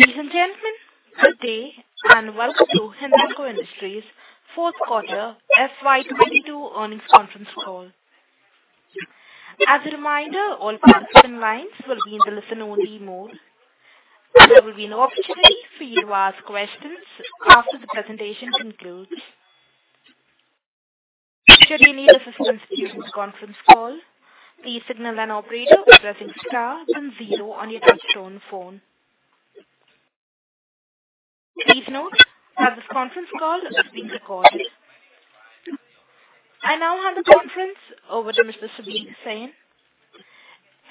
Ladies and gentlemen, good day, and welcome to Hindalco Industries fourth quarter FY 2022 earnings conference call. As a reminder, all participant lines will be in the listen-only mode. There will be an opportunity for you to ask questions after the presentation concludes. Should you need assistance during the conference call, please signal an operator by pressing star then zero on your touchtone phone. Please note that this conference call is being recorded. I now hand the conference over to Mr. Subir Sen,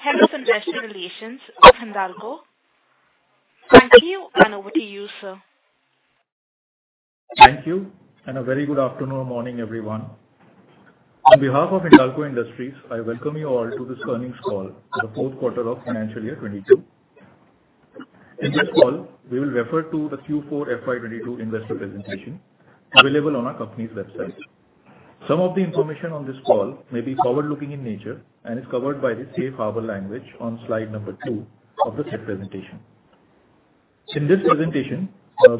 Head of Investor Relations of Hindalco. Thank you, and over to you, sir. Thank you, and a very good afternoon or morning, everyone. On behalf of Hindalco Industries, I welcome you all to this earnings call for the fourth quarter of financial year 2022. In this call, we will refer to the Q4 FY 2022 investor presentation available on our company's website. Some of the information on this call may be forward-looking in nature and is covered by the safe harbor language on slide number two of this presentation. In this presentation,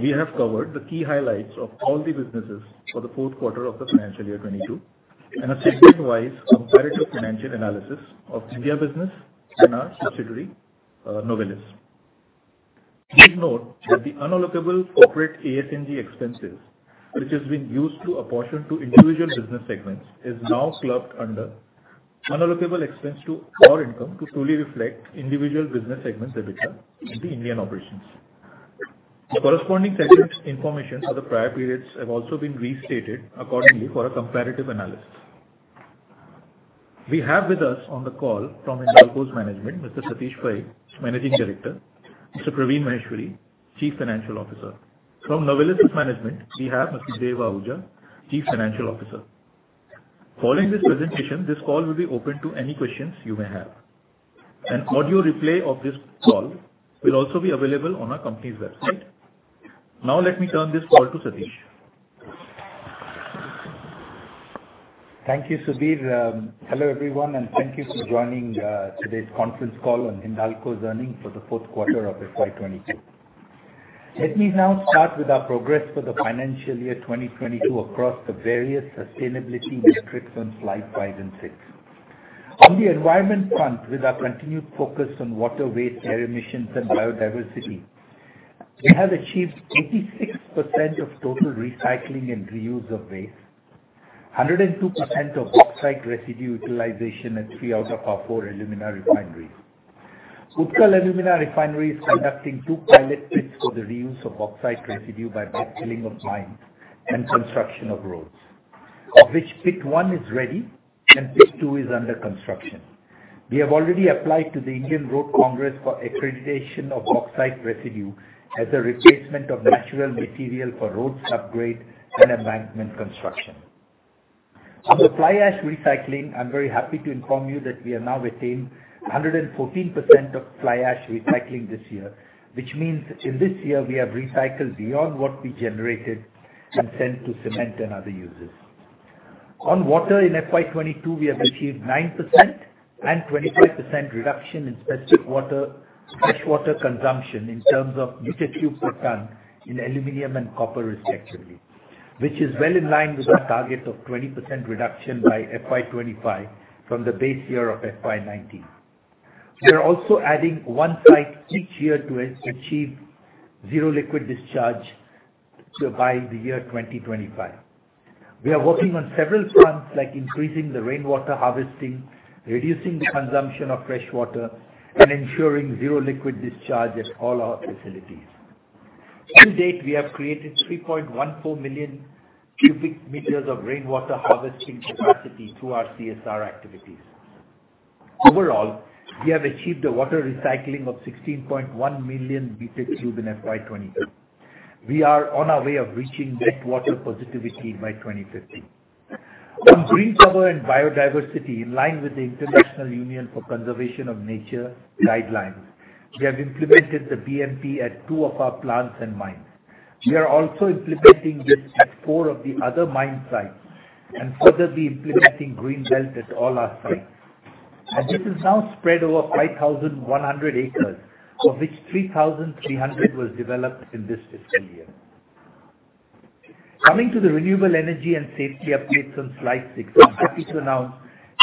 we have covered the key highlights of all the businesses for the fourth quarter of the financial year 2022 and a segment-wise comparative financial analysis of India business and our subsidiary, Novelis. Please note that the unallocable corporate SG&A expenses, which has been used to apportion to individual business segments, is now clubbed under unallocable expense to our income to truly reflect individual business segment debit in the Indian operations. The corresponding segment information for the prior periods have also been restated accordingly for a comparative analysis. We have with us on the call from Hindalco's management, Mr. Satish Pai, Managing Director, Mr. Praveen Maheshwari, Chief Financial Officer. From Novelis's management, we have Mr. Dev Ahuja, Chief Financial Officer. Following this presentation, this call will be open to any questions you may have. An audio replay of this call will be available on our company's website. Now, let me turn this call to Satish. Thank you, Subir. Hello, everyone, and thank you for joining today's conference call on Hindalco's earnings for the fourth quarter of FY 2022. Let me now start with our progress for the financial year 2022 across the various sustainability metrics on slides five and six. On the environment front, with our continued focus on water waste, air emissions, and biodiversity, we have achieved 86% of total recycling and reuse of waste, 102% of bauxite residue utilization at three out of our four alumina refineries. Utkal Alumina Refinery is conducting two pilot pits for the reuse of bauxite residue by backfilling of mines and construction of roads, of which pit one is ready, and pit two is under construction. We have already applied to the Indian Roads Congress for accreditation of bauxite residue as a replacement for natural material for road upgrade and embankment construction. On the fly ash recycling, I'm very happy to inform you that we have now attained 114% of fly ash recycling this year, which means in this year we have recycled beyond what we generated and sent to cement and other users. On water in FY 2022, we have achieved 9% and 25% reduction in specific water, fresh water consumption in terms of liters per cubic meter per ton in aluminum and copper, respectively, which is well in line with our target of 20% reduction by FY 2025 from the base year of FY 2019. We are also adding one site each year to achieve zero liquid discharge by the year 2025. We are working on several fronts, like increasing the rainwater harvesting, reducing the consumption of fresh water, and ensuring zero liquid discharge at all our facilities. To date, we have created 3.14 million cubic meters of rainwater harvesting capacity through our CSR activities. Overall, we have achieved a water recycling of 16.1 million cubic meters in FY 2022. We are on our way of reaching net water positivity by 2050. On green cover and biodiversity, in line with the International Union for Conservation of Nature guidelines, we have implemented the BMP at two of our plants and mines. We are also implementing this at four of the other mine sites and further be implementing green belt at all our sites. This is now spread over 5,100 acres, of which 3,300 were developed in this fiscal year. Coming to the renewable energy and safety updates on slide six, I'm happy to announce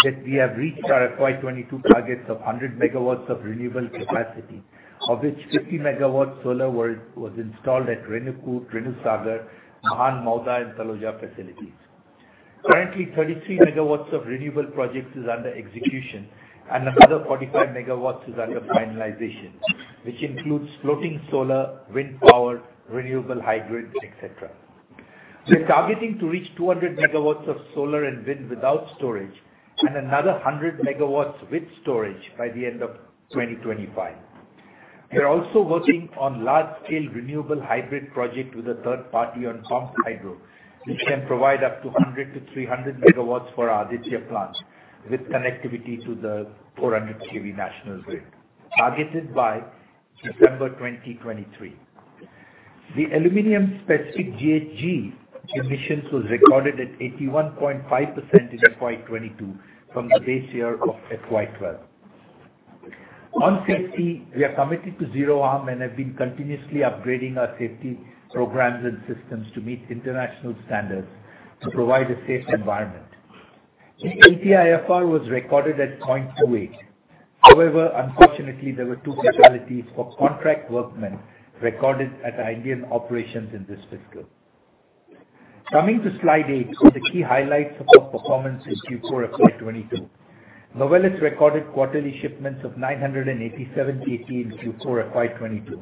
that we have reached our FY 2022 targets of 100 MW of renewable capacity, of which 50 MW solar was installed at Renukoot, Renusagar, Mahan, Mauda, and Taloja facilities. Currently, 33 MW of renewable projects are under execution and another 45 MW is under finalization, which includes floating solar, wind power, renewable hybrid, etc. We're targeting to reach 200 MW of solar and wind without storage and another 100 MW with storage by the end of 2025. We are also working on a large-scale renewable hybrid project with a third party on pumped hydro, which can provide up to 100-300 MW for the Aditya plant with connectivity to the 400 kV national grid targeted by December 2023. The aluminum-specific GHG emissions were recorded at 81.5% in FY 2022 from the base year of FY 2012. On safety, we are committed to zero harm and have been continuously upgrading our safety programs and systems to meet international standards to provide a safe environment. The LTIFR was recorded at 0.28. However, unfortunately, there were two casualties for contract workmen recorded at Indian operations in this fiscal. Coming to slide 8 with the key highlights of our performance in Q4 FY 2022. Novelis recorded quarterly shipments of 987 KT in Q4 FY 2022,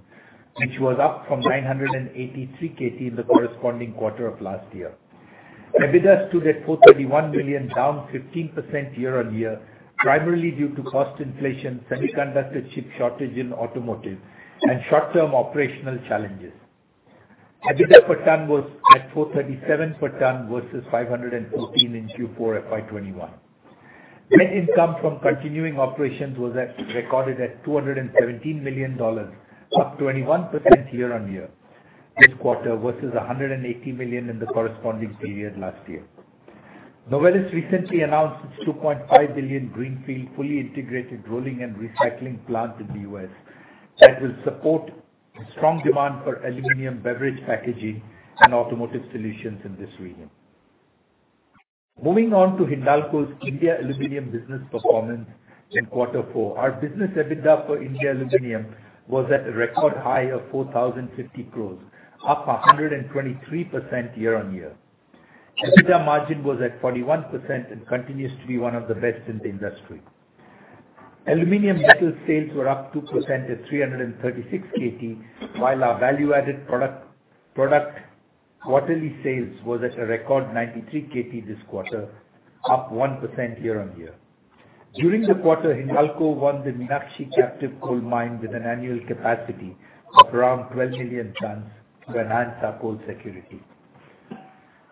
which was up from 983 KT in the corresponding quarter of last year. EBITDA stood at $431 million, down 15% year-on-year, primarily due to cost inflation, semiconductor chip shortage in automotive, and short-term operational challenges. EBITDA per ton was at $437 per ton versus $514 in Q4 FY 2021. Net income from continuing operations recorded at $217 million, up 21% year-on-year this quarter versus $180 million in the corresponding period last year. Novelis recently announced its $2.5 billion greenfield fully integrated rolling and recycling plant in the U.S. that will support strong demand for aluminum beverage packaging and automotive solutions in this region. Moving on to Hindalco's India Aluminum business performance in quarter four. Our business EBITDA for India Aluminum was at a record high of 4,050 crores, up 123% year-on-year. EBITDA margin was at 41% and continues to be one of the best in the industry. Aluminum metal sales were up 2% at 336 KT, while our value-added product quarterly sales were at a record 93 KT this quarter, up 1% year-on-year. During the quarter, Hindalco won the Meenakshi captive coal mine with an annual capacity of around 12 million tons to enhance our coal security.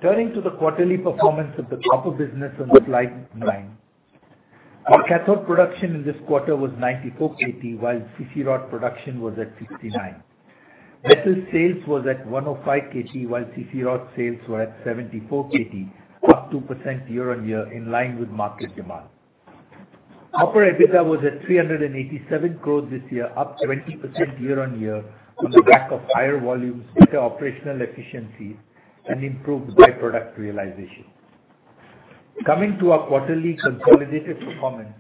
Turning to the quarterly performance of the copper business on slide 9. Our cathode production in this quarter was 94 KT, while CC rod production was at 59. Metal sales were at 105 KT, while CC rod sales were at 74 KT, up 2% year-on-year in line with market demand. Copper EBITDA was at 387 crore this year, up 20% year-on-year on the back of higher volumes, better operational efficiencies, and improved by-product realization. Coming to our quarterly consolidated performance.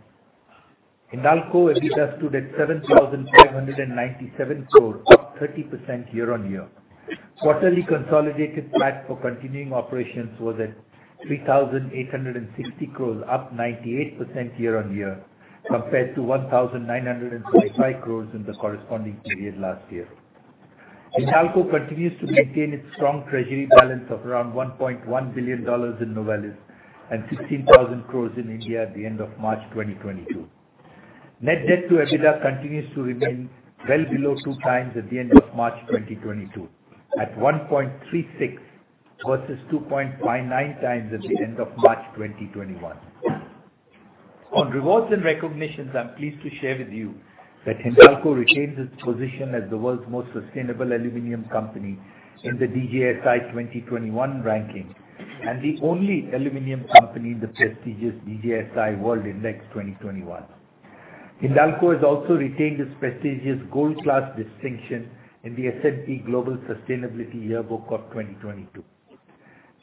Hindalco EBITDA stood at 7,597 crore, up 30% year-on-year. Quarterly consolidated PAT for continuing operations was at 3,860 crore, up 98% year-on-year compared to 1,945 crore in the corresponding period last year. Hindalco continues to maintain its strong treasury balance of around $1.1 billion in Novelis and 16,000 crore in India at the end of March 2022. Net debt to EBITDA continues to remain well below two times at the end of March 2022 at 1.36 versus 2.59 times at the end of March 2021. On rewards and recognitions, I'm pleased to share with you that Hindalco retains its position as the world's most sustainable aluminum company in the DJSI 2021 ranking and the only aluminum company in the prestigious DJSI World Index 2021. Hindalco has also retained its prestigious gold class distinction in the S&P Global Sustainability Yearbook of 2022.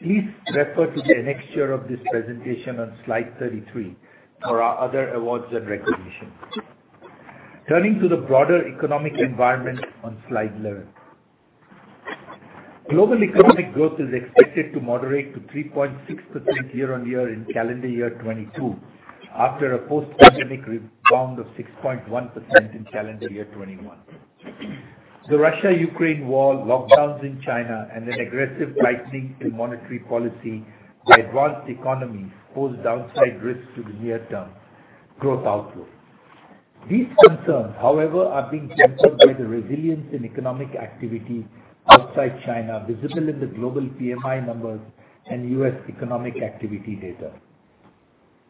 Please refer to the next slide of this presentation on slide 33 for our other awards and recognitions. Turning to the broader economic environment on slide 11. Global economic growth is expected to moderate to 3.6% year-on-year in calendar year 2022 after a post-pandemic rebound of 6.1% in calendar year 2021. The Russia-Ukraine war, lockdowns in China and an aggressive tightening in monetary policy by advanced economies pose downside risks to the near term growth outlook. These concerns, however, are being tempered by the resilience in economic activity outside China, visible in the global PMI numbers and U.S. economic activity data.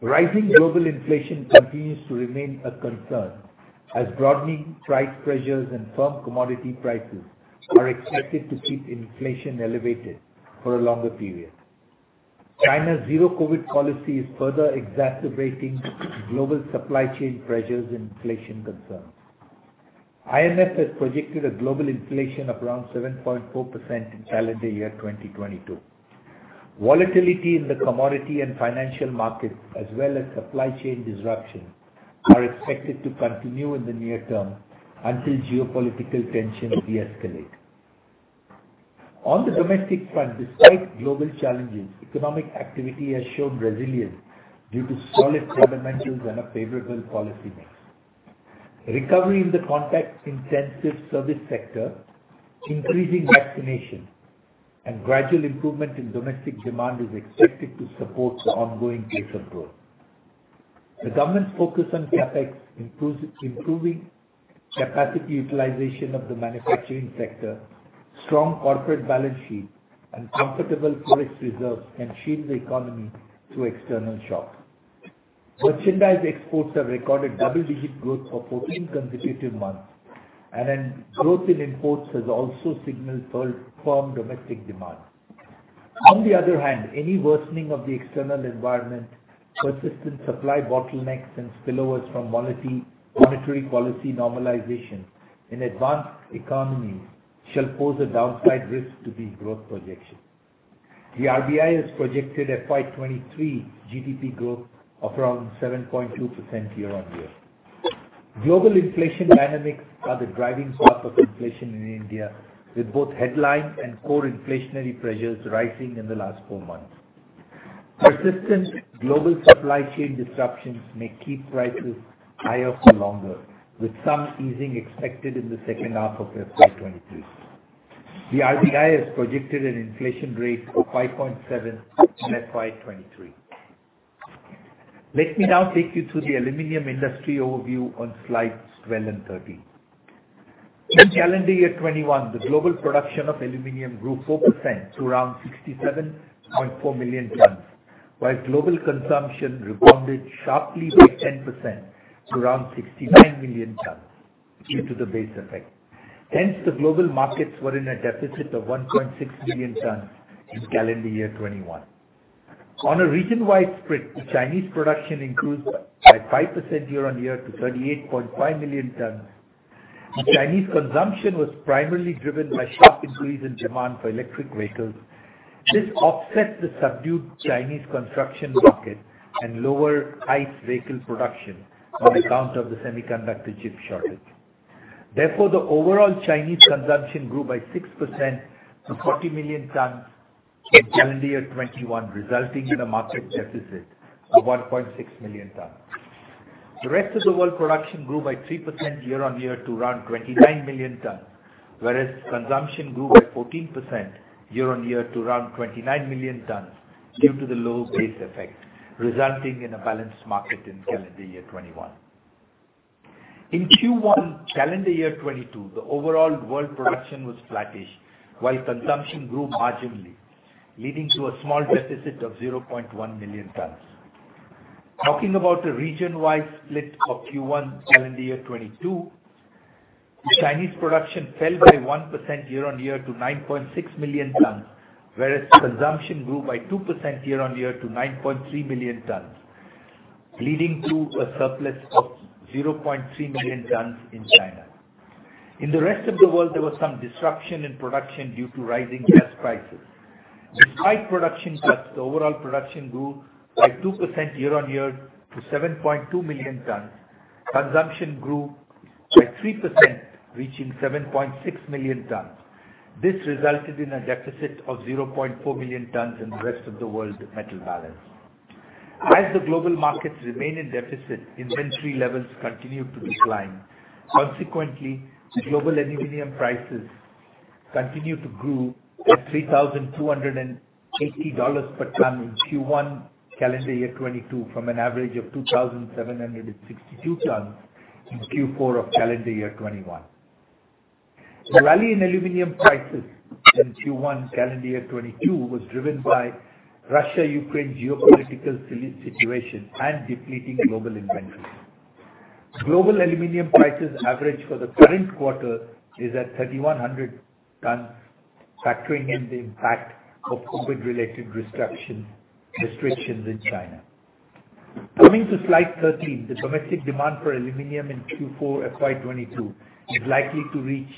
Rising global inflation continues to remain a concern as broadening price pressures and firm commodity prices are expected to keep inflation elevated for a longer period. China's Zero Covid policy is further exacerbating global supply chain pressures and inflation concerns. IMF has projected a global inflation of around 7.4% in calendar year 2022. Volatility in the commodity and financial markets as well as supply chain disruptions are expected to continue in the near term until geopolitical tensions deescalate. On the domestic front, despite global challenges, economic activity has shown resilience due to solid fundamentals and a favorable policy mix. Recovery in the contact intensive service sector, increasing vaccination and gradual improvement in domestic demand is expected to support the ongoing pace of growth. The government's focus on CapEx, improving capacity utilization of the manufacturing sector, strong corporate balance sheet and comfortable forex reserves can shield the economy through external shocks. Merchandise exports have recorded double-digit growth for 14 consecutive months, and the growth in imports has also signaled firm domestic demand. On the other hand, any worsening of the external environment, persistent supply bottlenecks and spillovers from monetary policy normalization in advanced economies shall pose a downside risk to the growth projection. The RBI has projected FY 2023 GDP growth of around 7.2% year-on-year. Global inflation dynamics are the driving force of inflation in India, with both headline and core inflationary pressures rising in the last four months. Persistent global supply chain disruptions may keep prices higher for longer, with some easing expected in the second half of FY 2023. The RBI has projected an inflation rate of 5.7% in FY 2023. Let me now take you through the aluminum industry overview on slides 12 and 13. In calendar year 2021, the global production of aluminum grew 4% to around 67.4 million tons, while global consumption rebounded sharply by 10% to around 69 million tons due to the base effect. Hence, the global markets were in a deficit of 1.6 million tons in calendar year 2021. On a region-wide spread, Chinese production increased by 5% year-on-year to 38.5 million tons. Chinese consumption was primarily driven by sharp increase in demand for electric vehicles. This offset the subdued Chinese construction market and lower ICE vehicle production on account of the semiconductor chip shortage. Therefore, the overall Chinese consumption grew by 6% to 40 million tons in calendar year 2021, resulting in a market deficit of 1.6 million tons. The rest of the world production grew by 3% year-on-year to around 29 million tons, whereas consumption grew by 14% year-on-year to around 29 million tons due to the low base effect, resulting in a balanced market in calendar year 2021. In Q1 calendar year 2022, the overall world production was flattish while consumption grew marginally, leading to a small deficit of 0.1 million tons. Talking about the region-wide split of Q1 2022, Chinese production fell by 1% year-on-year to 9.6 million tons, whereas consumption grew by 2% year-on-year to 9.3 million tons, leading to a surplus of 0.3 million tons in China. In the rest of the world, there was some disruption in production due to rising gas prices. Despite production cuts, the overall production grew by 2% year-on-year to 7.2 million tons. Consumption grew by 3%, reaching 7.6 million tons. This resulted in a deficit of 0.4 million tons in the rest of the world's metal balance. As the global markets remain in deficit, inventory levels continue to decline. Consequently, the global aluminum prices continued to grow at $3,280 per ton in Q1 of calendar year 2022 from an average of $2,762 per ton in Q4 of calendar year 2021. The rally in aluminum prices in the Q1 calendar year 2022 was driven by the Russia-Ukraine geopolitical situation and depleting global inventories. Global aluminum prices average for the current quarter is at $3,100 per ton, factoring in the impact of COVID-related restrictions in China. Coming to slide thirteen, the domestic demand for aluminum in Q4 FY 2022 is likely to reach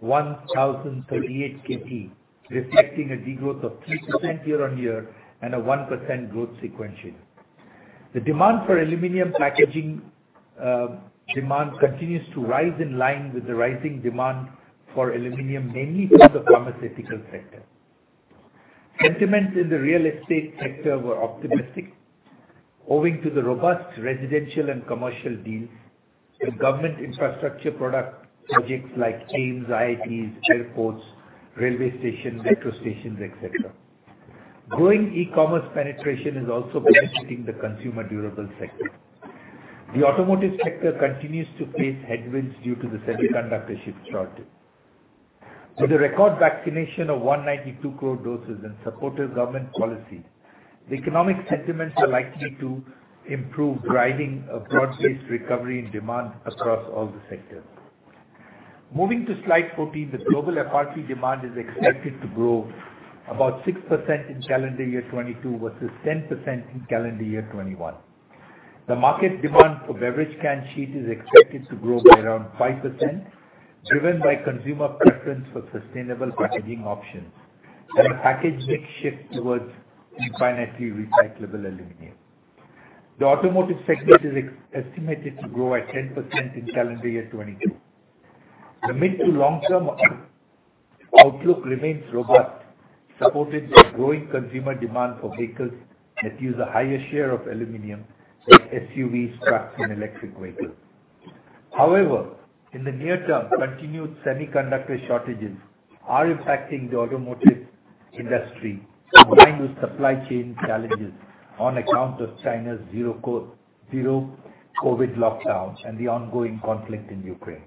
1,038 KT, reflecting a degrowth of 3% year-on-year and a 1% growth sequentially. The demand for aluminum packaging demand continues to rise in line with the rising demand for aluminum, mainly from the pharmaceutical sector. Sentiments in the real estate sector were optimistic, owing to the robust residential and commercial deals and government infrastructure public projects like AIIMS, IITs, airports, railway stations, metro stations, etc. Growing e-commerce penetration is also benefiting the consumer durable sector. The automotive sector continues to face headwinds due to the semiconductor chip shortage. With a record vaccination of 192 crore doses and supportive government policies, the economic sentiments are likely to improve, driving a broad-based recovery in demand across all sectors. Moving to slide 14, the global FRP demand is expected to grow about 6% in calendar year 2022 versus 10% in calendar year 2021. The market demand for beverage can sheet is expected to grow by around 5%, driven by consumer preference for sustainable packaging options and a package mix shift towards infinitely recyclable aluminum. The automotive segment is estimated to grow at 10% in calendar year 2022. The mid to long term outlook remains robust, supported by growing consumer demand for vehicles that use a higher share of aluminum, like SUVs, trucks and electric vehicles. However, in the near term, continued semiconductor shortages are impacting the automotive industry, combined with supply chain challenges on account of China's zero COVID lockdowns and the ongoing conflict in Ukraine.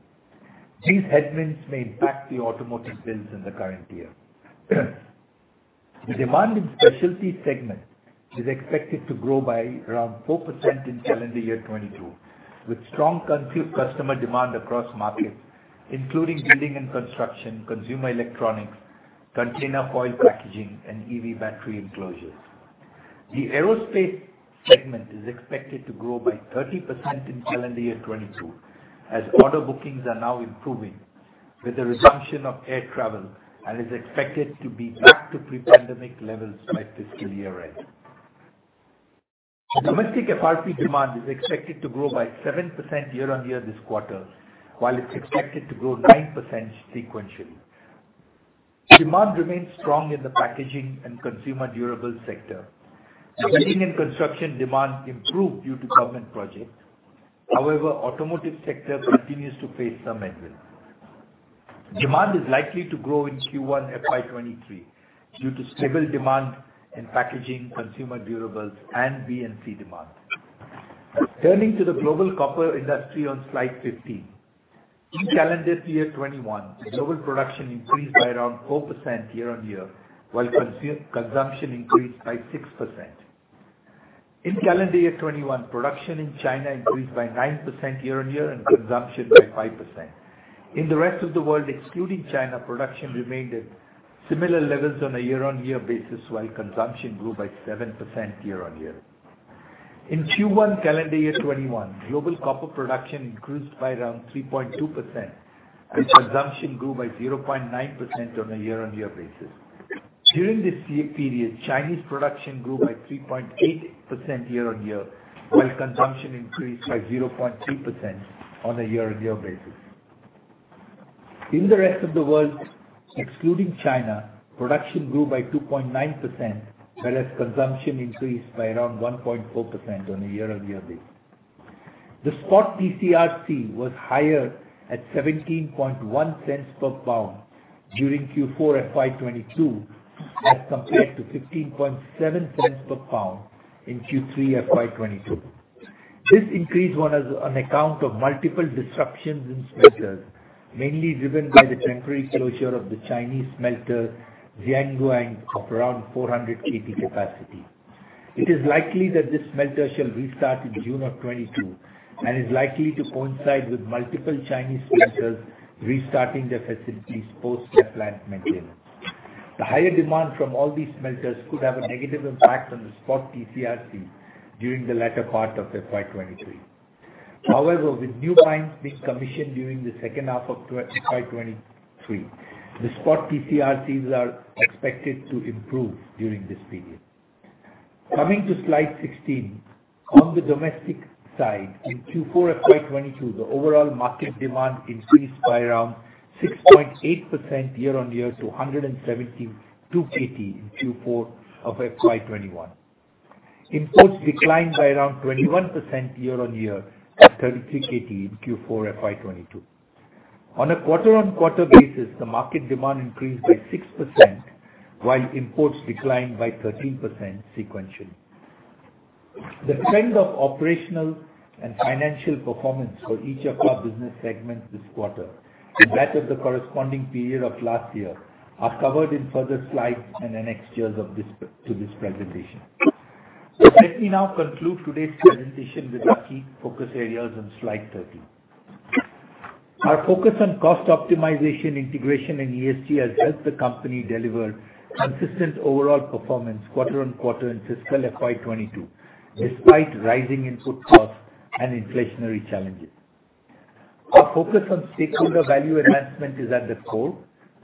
These headwinds may impact the automotive builds in the current year. The demand in specialty segment is expected to grow by around 4% in calendar year 2022, with strong customer demand across markets, including building and construction, consumer electronics, container foil packaging and EV battery enclosures. The aerospace segment is expected to grow by 30% in calendar year 2022, as order bookings are now improving with the resumption of air travel, and is expected to be back to pre-pandemic levels by fiscal year-end. Domestic FRP demand is expected to grow by 7% year-on-year this quarter, while it's expected to grow 9% sequentially. Demand remains strong in the packaging and consumer durables sector. Building and construction demand improved due to government projects. However, automotive sector continues to face some headwinds. Demand is likely to grow in Q1 FY 2023 due to stable demand in packaging, consumer durables and B&C demand. Turning to the global copper industry on slide 15. In calendar year 2021, global production increased by around 4% year-on-year, while consumption increased by 6%. In calendar year 2021, production in China increased by 9% year-on-year and consumption by 5%. In the rest of the world, excluding China, production remained at similar levels on a year-on-year basis, while consumption grew by 7% year-on-year. In Q1 calendar year 2021, global copper production increased by around 3.2%, and consumption grew by 0.9% on a year-on-year basis. During this same period, Chinese production grew by 3.8% year-on-year, while consumption increased by 0.2% on a year-on-year basis. In the rest of the world, excluding China, production grew by 2.9%, whereas consumption increased by around 1.4% on a year-on-year basis. The spot TCRC was higher at $0.171 per pound during Q4 FY 2022, as compared to $0.157 per pound in Q3 FY 2022. This increase was as on account of multiple disruptions in smelters, mainly driven by the temporary closure of the Chinese smelter Jiangxi of around 400 KT capacity. It is likely that this smelter shall restart in June 2022, and is likely to coincide with multiple Chinese smelters restarting their facilities post their plant maintenance. The higher demand from all these smelters could have a negative impact on the spot TCRC during the latter part of FY 2023. However, with new mines being commissioned during the second half of FY 2023, the spot TCRCs are expected to improve during this period. Coming to slide 16. On the domestic side, in Q4 FY 2022, the overall market demand increased by around 6.8% year-on-year to 172 KT in Q4 of FY 2021. Imports declined by around 21% year-on-year to 33 KT in Q4 FY 2022. On a quarter-on-quarter basis, the market demand increased by 6%, while imports declined by 13% sequentially. The trend of operational and financial performance for each of our business segments this quarter and that of the corresponding period of last year is covered in further slides and annexures to this presentation. Let me now conclude today's presentation with our key focus areas on slide 13. Our focus on cost optimization, integration, and ESG has helped the company deliver consistent overall performance quarter-on-quarter in fiscal FY 2022, despite rising input costs and inflationary challenges. Our focus on stakeholder value enhancement is at the core,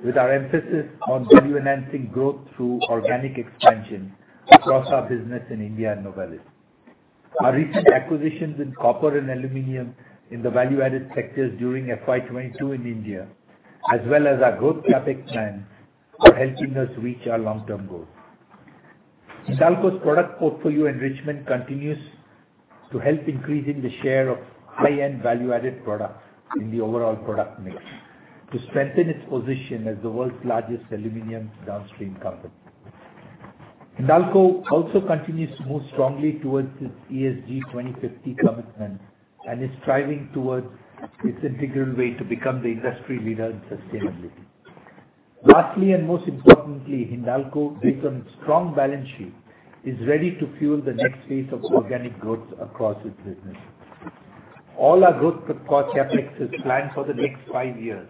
with our emphasis on value-enhancing growth through organic expansion across our business in India and Novelis. Our recent acquisitions in copper and aluminum in the value-added sectors during FY 2022 in India, as well as our growth CapEx plan, are helping us reach our long-term goals. Hindalco's product portfolio enrichment continues to help increase the share of high-end value-added products in the overall product mix to strengthen its position as the world's largest aluminum downstream company. Hindalco also continues to move strongly towards its ESG 2050 commitment and is striving towards its integral way to become the industry leader in sustainability. Lastly and most importantly, Hindalco, based on its strong balance sheet, is ready to fuel the next phase of organic growth across its businesses. All our growth CapEx's planned for the next five years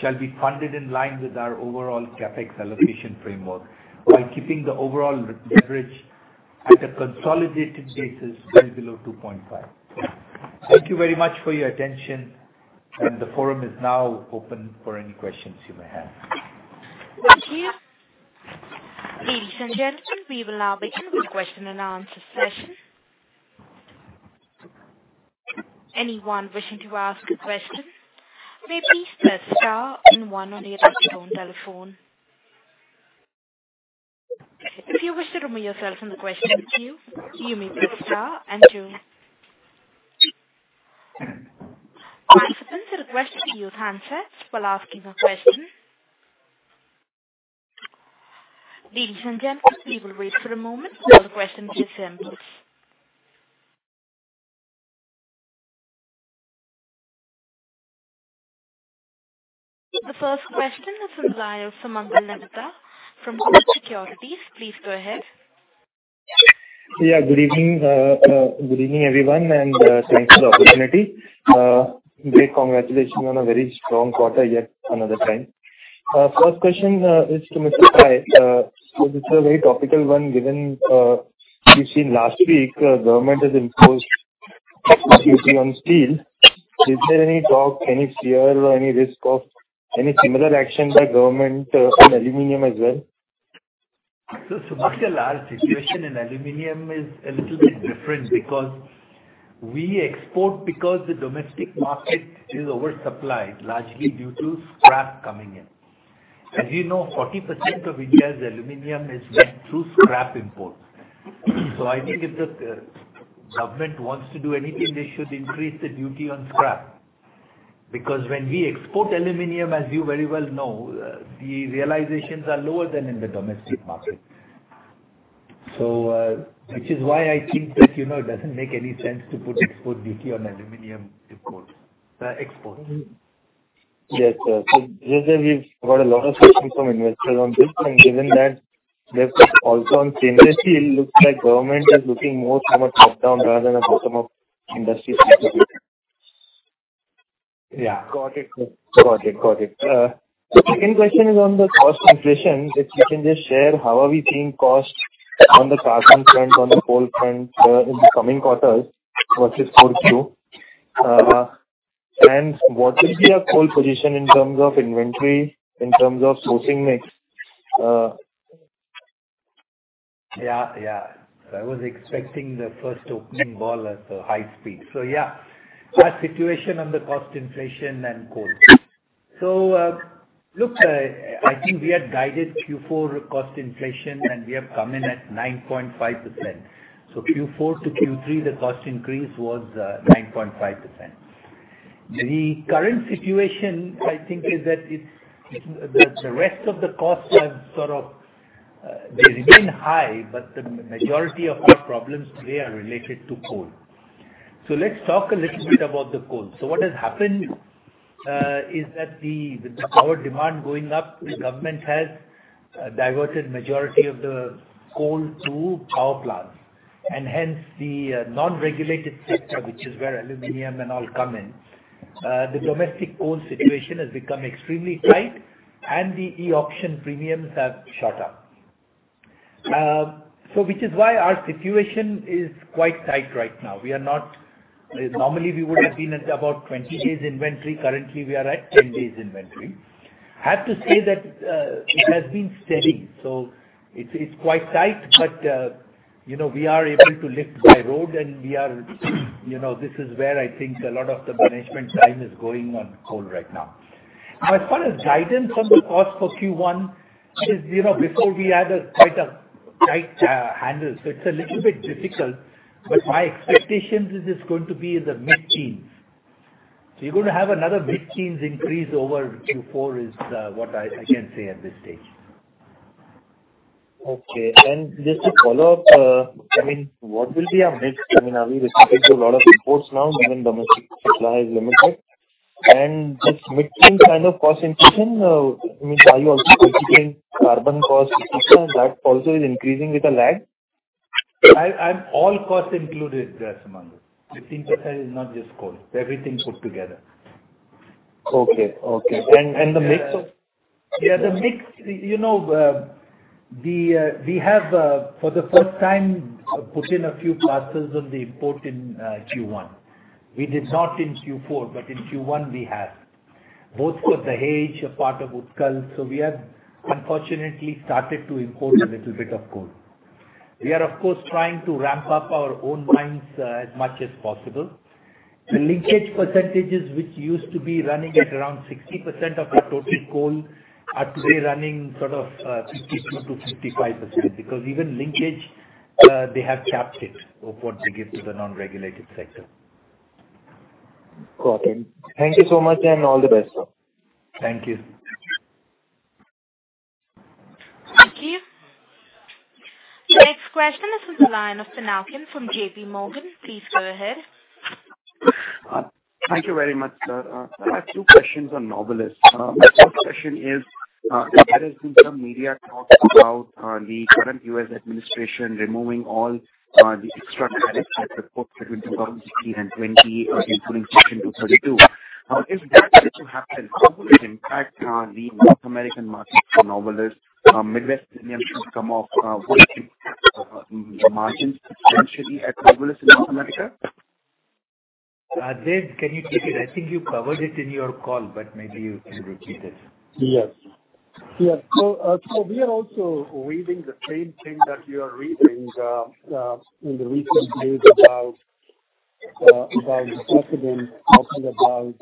shall be funded in line with our overall CapEx allocation framework by keeping the overall leverage at a consolidated basis well below 2.5. Thank you very much for your attention, and the forum is now open for any questions you may have. Thank you. Ladies and gentlemen, we will now begin the question-and-answer session. Anyone wishing to ask a question may please press star and one on your touchtone telephone. If you wish to remove yourself from the question queue, you may press star and two. Participants are requested to use handsets while asking a question. Ladies and gentlemen, we will wait for a moment while the question is assembled. The first question is from Sumangal Nevatia from Kotak Securities. Please go ahead. Yeah. Good evening. Good evening, everyone, and thanks for the opportunity. Great congratulations on a very strong quarter, yet another time. First question is to Mr. Pai. This is a very topical one, given we've seen last week, government has imposed duty on steel. Is there any talk, any fear or any risk of any similar action by government on aluminum as well? Sumangal, our situation in aluminum is a little bit different because we export because the domestic market is oversupplied, largely due to scrap coming in. As you know, 40% of India's aluminum is met through scrap imports. I think if the government wants to do anything, they should increase the duty on scrap. Because when we export aluminum, as you very well know, the realizations are lower than in the domestic market. Which is why I think that, you know, it doesn't make any sense to put export duty on aluminum exports. Yes, sir. Lately we've got a lot of questions from investors on this. Given that they've also on stainless steel, looks like government is looking more from a top-down rather than a bottom-up industry participation. Yeah. Got it. Second question is on the cost inflation. If you can just share how are we seeing costs on the carbon front, on the coal front, in the coming quarters? What is Q4? What will be our coal position in terms of inventory, in terms of sourcing mix? Yeah. I was expecting the first opening ball at a high speed. Yeah. Our situation on the cost inflation and coal. Look, I think we had guided Q4 cost inflation, and we have come in at 9.5%. Q4 to Q3, the cost increase was 9.5%. The current situation I think is that it's the rest of the costs have sort of they remain high, but the majority of our problems today are related to coal. Let's talk a little bit about the coal. What has happened is that with the power demand going up, the government has diverted majority of the coal to power plants. Hence, the non-regulated sector, which is where aluminum and all come in, the domestic coal situation has become extremely tight and the e-auction premiums have shot up. Which is why our situation is quite tight right now. Normally, we would have been at about 20 days inventory. Currently, we are at 10 days inventory. I have to say that it has been steady, so it's quite tight. You know, we are able to lift by road and we are, you know, this is where I think a lot of the management time is going on coal right now. As far as guidance on the cost for Q1 is, you know, before we had quite a tight handle, so it's a little bit difficult. My expectation is it's going to be in the mid-teens. You're gonna have another mid-teens increase over Q4 is what I can say at this stage. Just to follow up, I mean, what will be our mix? I mean, are we restricting to a lot of imports now given domestic supply is limited? With mid-teen kind of cost inflation, I mean, are you also anticipating carbon cost inflation? That also is increasing with a lag. I'm all costs included there, Sumangal. 15% is not just coal. Everything put together. Okay. The mix of Yeah, the mix, you know, we have for the first time put in a few parcels of the import in Q1. We did not in Q4, but in Q1 we have. Both for Sahaj, a part of Utkal. We have unfortunately started to import a little bit of coal. We are, of course, trying to ramp up our own mines as much as possible. The linkage percentages, which used to be running at around 60% of the total coal, are today running sort of 52%-55% because even linkage they have capped it of what they give to the non-regulated sector. Got it. Thank you so much and all the best, sir. Thank you. Thank you. The next question is from the line of Pinakin Parekh from JPMorgan. Please go ahead. Thank you very much, sir. I have two questions on Novelis. My first question is, there has been some media talk about, the current U.S. administration removing all, the extra tariffs that were put between 2016 and 2020, including Section 232. If that were to happen, how will it impact, the North American market for Novelis? Midwest aluminum should come off, very cheap. Margins potentially at Novelis in North America? Dev, can you take it? I think you covered it in your call, but maybe you can repeat it. Yes. We are also reading the same thing that you are reading in the recent days about the president talking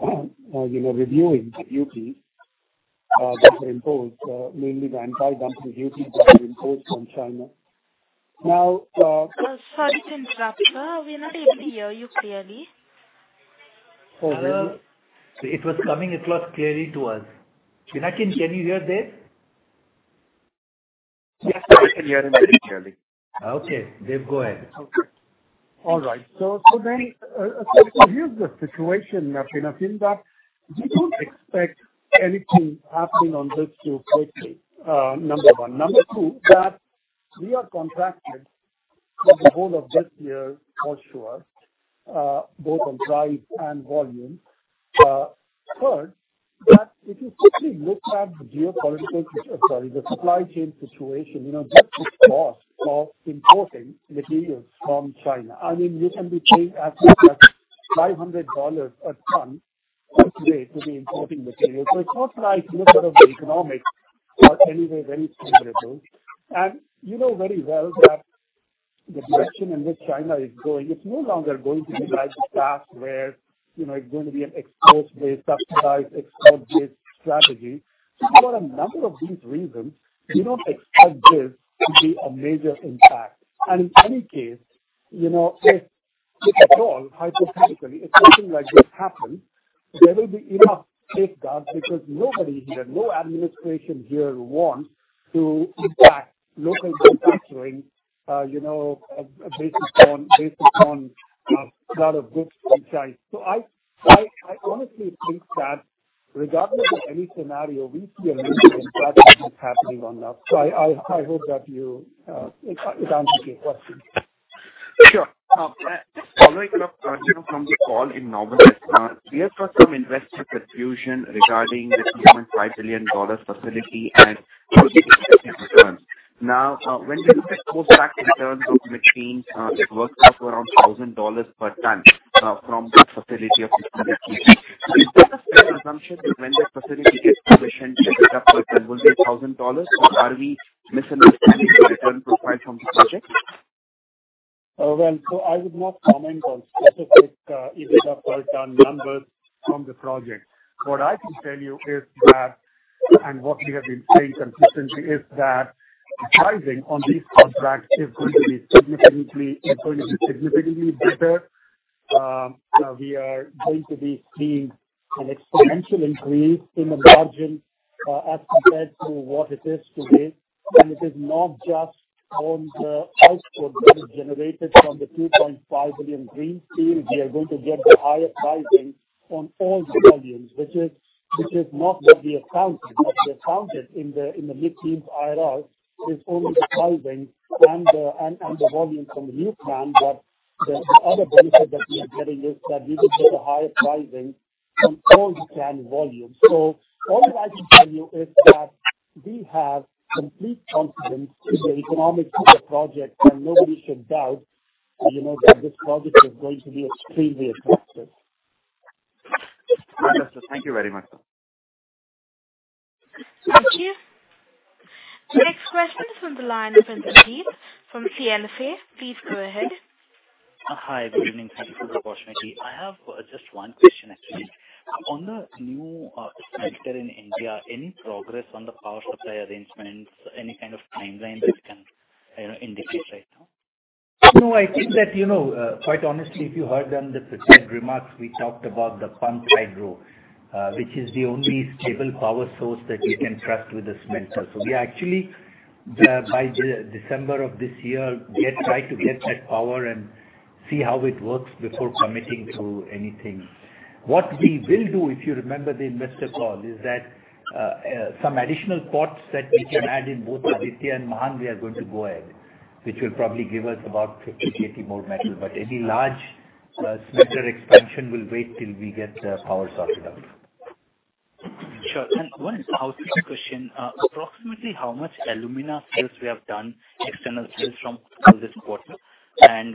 about, you know, reviewing the duties that were imposed, mainly the anti-dumping duties that were imposed on China. Now, Sorry to interrupt, sir. We're not able to hear you clearly. Oh, really? It was coming across clearly to us. Pinakin, can you hear Dev? I can hear him initially. Okay, Dev, go ahead. Okay. Here's the situation, Pinakin. I think that we don't expect anything happening on this too quickly, number one. Number two, that we are contracted for the whole of this year for sure, both on price and volume. Third, if you quickly look at the supply chain situation, you know, the cost of importing materials from China. I mean, you can be paying as much as $500 a ton today to be importing materials. It's not like none of the economics are anyway very favorable. You know very well that the direction in which China is going, it's no longer going to be like the past where, you know, it's going to be an export-based, subsidized export-based strategy. For a number of these reasons, we don't expect this to be a major impact. In any case, you know, if at all, hypothetically, if something like this happens, there will be enough safeguards because nobody here, no administration here wants to impact local manufacturing, you know, based upon lot of this insight. I honestly think that regardless of any scenario, we see a major impact that is happening on that. I hope that you, it answers your question. Sure. Now, following it up, Satish Pai, from the call in November, we have got some investor confusion regarding the $2.5 billion facility and return. Now, when we look at post-tax internal rate of return, it works out to around $1,000 per ton, from that facility of the Midstream. Is that assumption that when that facility gets commissioned, the EBITDA per ton will be $1,000, or are we misunderstanding the return profile from the project? I would not comment on specific EBITDA per ton numbers from the project. What I can tell you is that, and what we have been saying consistently is that the pricing on these contracts is going to be significantly better. We are going to be seeing an exponential increase in the margin, as compared to what it is today. It is not just on the output that is generated from the 2.5 billion greenfield. We are going to get the higher pricing on all the volumes, which is not what we accounted. What we accounted in the Midstream's IRR is only the pricing and the volume from the new plant. The other benefit that we are getting is that we will get a higher pricing on all the planned volumes. All I can tell you is that we have complete confidence in the economics of the project, and nobody should doubt, you know, that this project is going to be extremely attractive. Understood. Thank you very much. Thank you. The next question is from the line of Indrajit Agarwal from CLSA. Please go ahead. Hi, good evening. Thank you for the opportunity. I have just one question actually. On the new smelter in India, any progress on the power supply arrangements? Any kind of timeline that you can indicate right now? No, I think that, you know, quite honestly, if you heard on the prepared remarks, we talked about the Pumped Hydro, which is the only stable power source that you can trust with the smelter. We actually, by December of this year, try to get that power and see how it works before committing to anything. What we will do, if you remember the investor call, is that, some additional pots that we can add in both Aditya and Mahan we are going to go ahead, which will probably give us about 50-80 more metal. Any large smelter expansion will wait till we get the power sorted out. Sure. One house view question. Approximately how much alumina sales we have done, external sales from this quarter?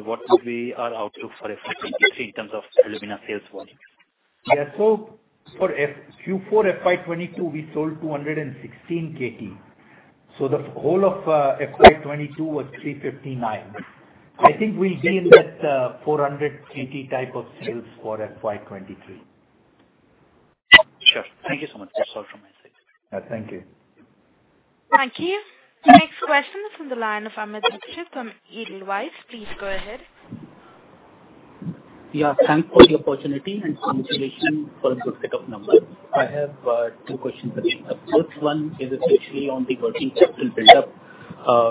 What would be our outlook for FY 2023 in terms of alumina sales volume? Yeah. For Q4 FY 2022, we sold 216 KT. The whole of FY 2022 was 359. I think we'll be in that 400 KT type of sales for FY 2023. Sure. Thank you so much. That's all from my side. Thank you. Thank you. The next question is from the line of Amit Dixit from Edelweiss. Please go ahead. Yeah. Thanks for the opportunity and congratulations for a good set of numbers. I have two questions again. The first one is especially on the working capital build-up,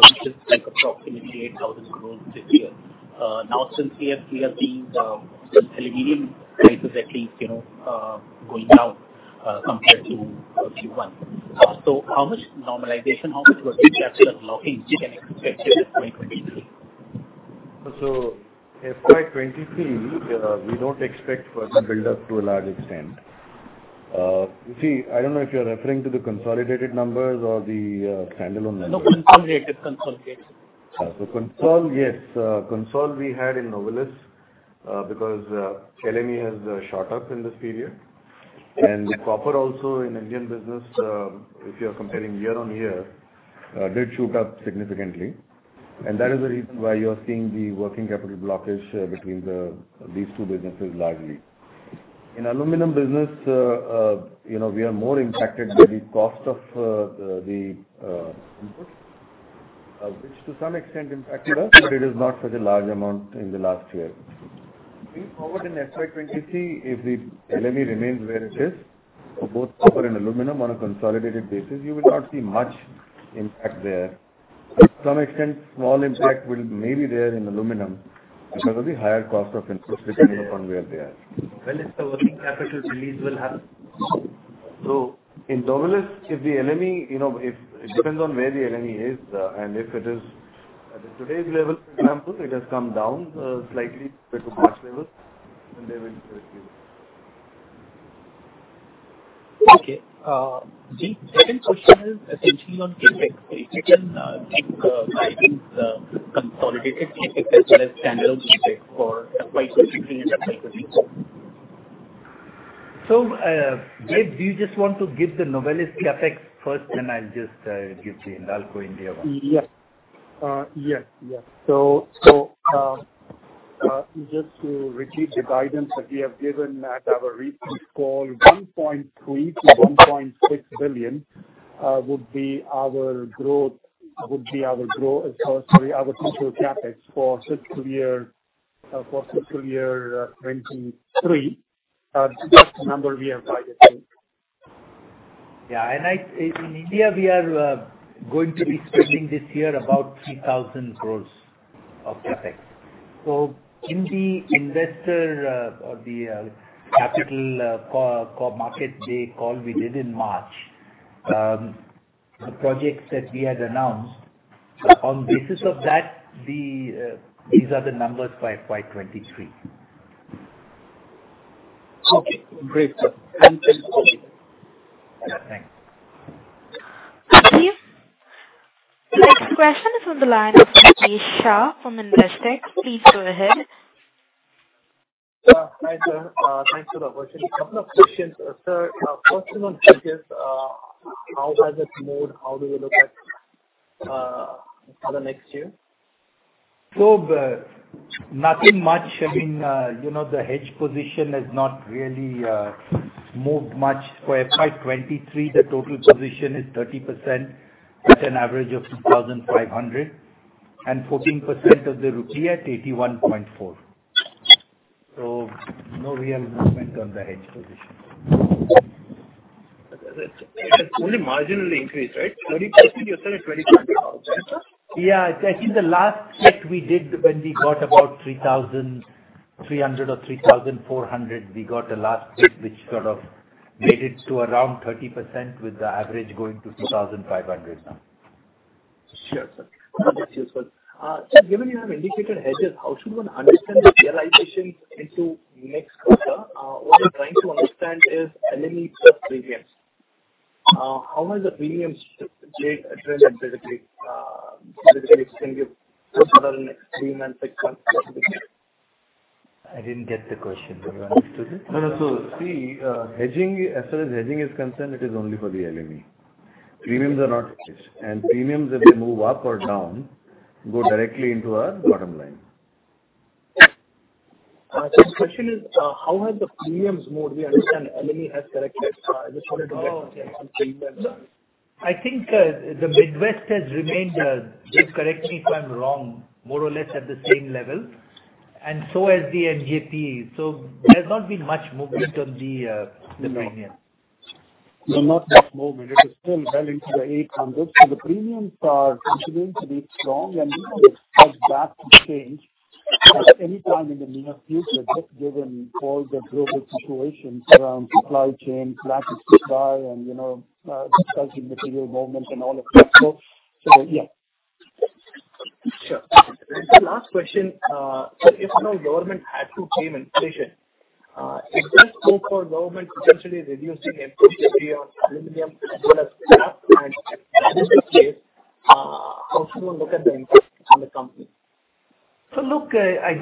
which is like approximately 8,000 crores this year. Now since we are seeing the aluminum prices at least, you know, going down, compared to Q1. How much normalization, how much working capital blocking we can expect here in FY 2023? FY 2023, we don't expect working capital build-up to a large extent. You see, I don't know if you're referring to the consolidated numbers or the standalone numbers. No, consolidated. The consolidated, yes. Consolidated we had in Novelis because LME has shot up in this period. The copper also in Indian business, if you're comparing year-on-year, did shoot up significantly. That is the reason why you're seeing the working capital blockage between these two businesses largely. In aluminum business, you know, we are more impacted by the cost of the input, which to some extent impacted us, but it is not such a large amount in the last year. Moving forward in FY 2023, if the LME remains where it is for both copper and aluminum on a consolidated basis, you will not see much impact there. To some extent, small impact will maybe there in aluminum because of the higher cost of inputs, depending upon where they are. When is the working capital release will happen? In Novelis, if the LME, you know, it depends on where the LME is. If it is at today's level, for example, it has come down slightly with the March level and they will reduce. Okay. The second question is essentially on CapEx. If you can give guidance, consolidated CapEx as well as standalone CapEx for FY 2023 and FY 2024. Dev Ahuja, do you just want to give the Novelis CapEx first, then I'll just give the Hindalco India one? Yes. Just to repeat the guidance that we have given at our recent call, $1.3 billion-$1.6 billion would be our total CapEx for fiscal year 2023. That's the number we have guided to. In India we are going to be spending this year about 3,000 crores of CapEx. In the capital markets day call we did in March, the projects that we had announced, on the basis of that, these are the numbers for FY 2023. Okay, great, sir. Thanks. Yeah, thanks. Thank you. Next question is on the line of Ritesh Shah from Investec. Please go ahead. Hi, sir. Thanks for the opportunity. Couple of questions. Sir, first one on hedges. How has it moved? How do you look at for the next year? Nothing much. I mean, you know, the hedge position has not really moved much. For FY 2023, the total position is 30% at an average of 2,500, and 14% of the rupee at 81.4. No real movement on the hedge position. It has only marginally increased, right? 30% you said at 23 Yeah. I think the last hedge we did when we got about 3,300 or 3,400, we got a last hedge which sort of made it to around 30% with the average going to 2,500 now. Sure, sir. That's useful. Sir, given you have indicated hedges, how should one understand the realization into next quarter? What we're trying to understand is LME plus premiums. How has the premiums, Dev Ahuja, trended lately? Can you possibly next three months? I didn't get the question. Do you want to answer this? No, no. See, hedging, as far as hedging is concerned, it is only for the LME. Premiums are not hedged. Premiums, if they move up or down, go directly into our bottom line. The question is, how has the premiums moved? We understand LME has corrected. I just wanted to get. Oh, okay. on premiums. I think, the Midwest has remained, Dev Ahuja correct me if I'm wrong, more or less at the same level, and so has the MJP. There's not been much movement on the premiums. No, not much movement. It is still well into the 800s. The premiums are continuing to be strong, and we don't expect that to change at any time in the near future, just given all the global situations around supply chain, lack of supply and, you know, discussing material movements and all of that. So yeah. Sure. The last question. Sir, if at all government had to tame inflation, if there is scope for government potentially reducing import duty on aluminum as well as scrap and added displays, how should one look at the impact on the company? Look, I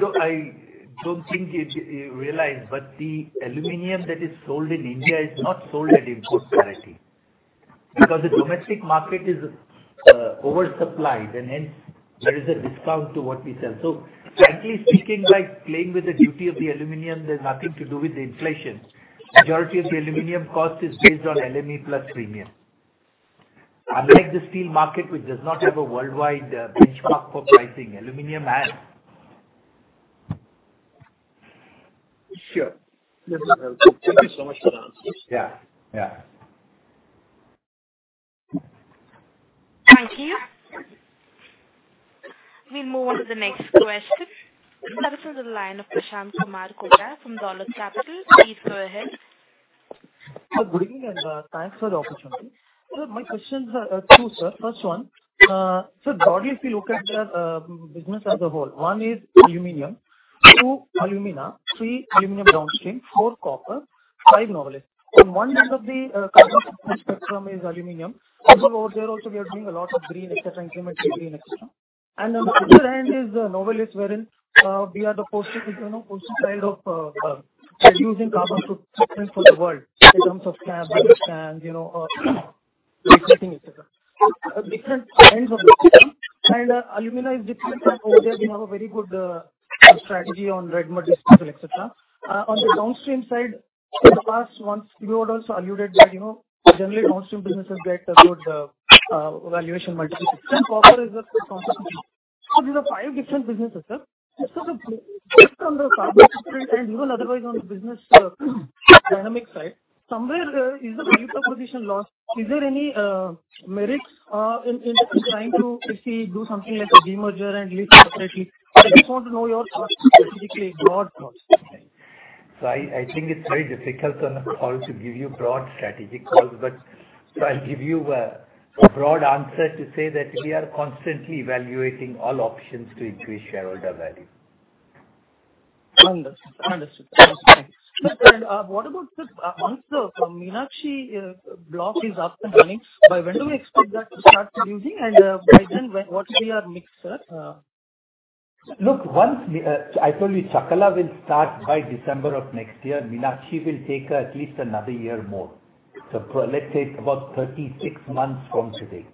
don't think it realized, but the aluminum that is sold in India is not sold at import parity because the domestic market is oversupplied and hence there is a discount to what we sell. Frankly speaking, like playing with the duty of the aluminum, there's nothing to do with inflation. Majority of the aluminum cost is based on LME plus premium. Unlike the steel market, which does not have a worldwide benchmark for pricing, aluminum has. Sure. Thank you so much for the answers. Yeah. Yeah. Thank you. We move on to the next question. This one is on the line of Prashanth Kumar Kota from Dolat Capital. Please go ahead. Good evening, thanks for the opportunity. My questions are two, sir. First one, broadly if you look at the business as a whole, 1 is aluminum, 2 alumina, 3 aluminum downstream, 4 copper, 5 Novelis. On one end of the carbon spectrum is aluminum. Also, over there, we are doing a lot of green, etc., And climate change green, etc. On the other end is Novelis, wherein we are the poster child of reducing carbon footprint for the world in terms of cans and etc. Different ends of the spectrum. Alumina is different. Over there, we have a very good strategy on red mud disposal, etc. On the downstream side. In the past months, you had also alluded that, you know, generally downstream businesses get a good valuation multiples. Copper is a downstream business. These are five different businesses, sir. Just as a bit from the carbon footprint and, you know, otherwise on the business dynamic side, somewhere is the competitive position lost. Is there any merits in trying to, let's say, do something like a demerger and list separately? I just want to know your thoughts, specifically broad thoughts. I think it's very difficult on a call to give you broad strategic calls. I'll give you a broad answer to say that we are constantly evaluating all options to increase shareholder value. Understood. Thanks. Sir, what about this, once the Meenakshi block is up and running, by when do we expect that to start producing and, by then, what will our mix, sir? Look, once we, I told you Chakla will start by December of next year. Meenakshi will take at least another year more. Let's say about 36 months from today.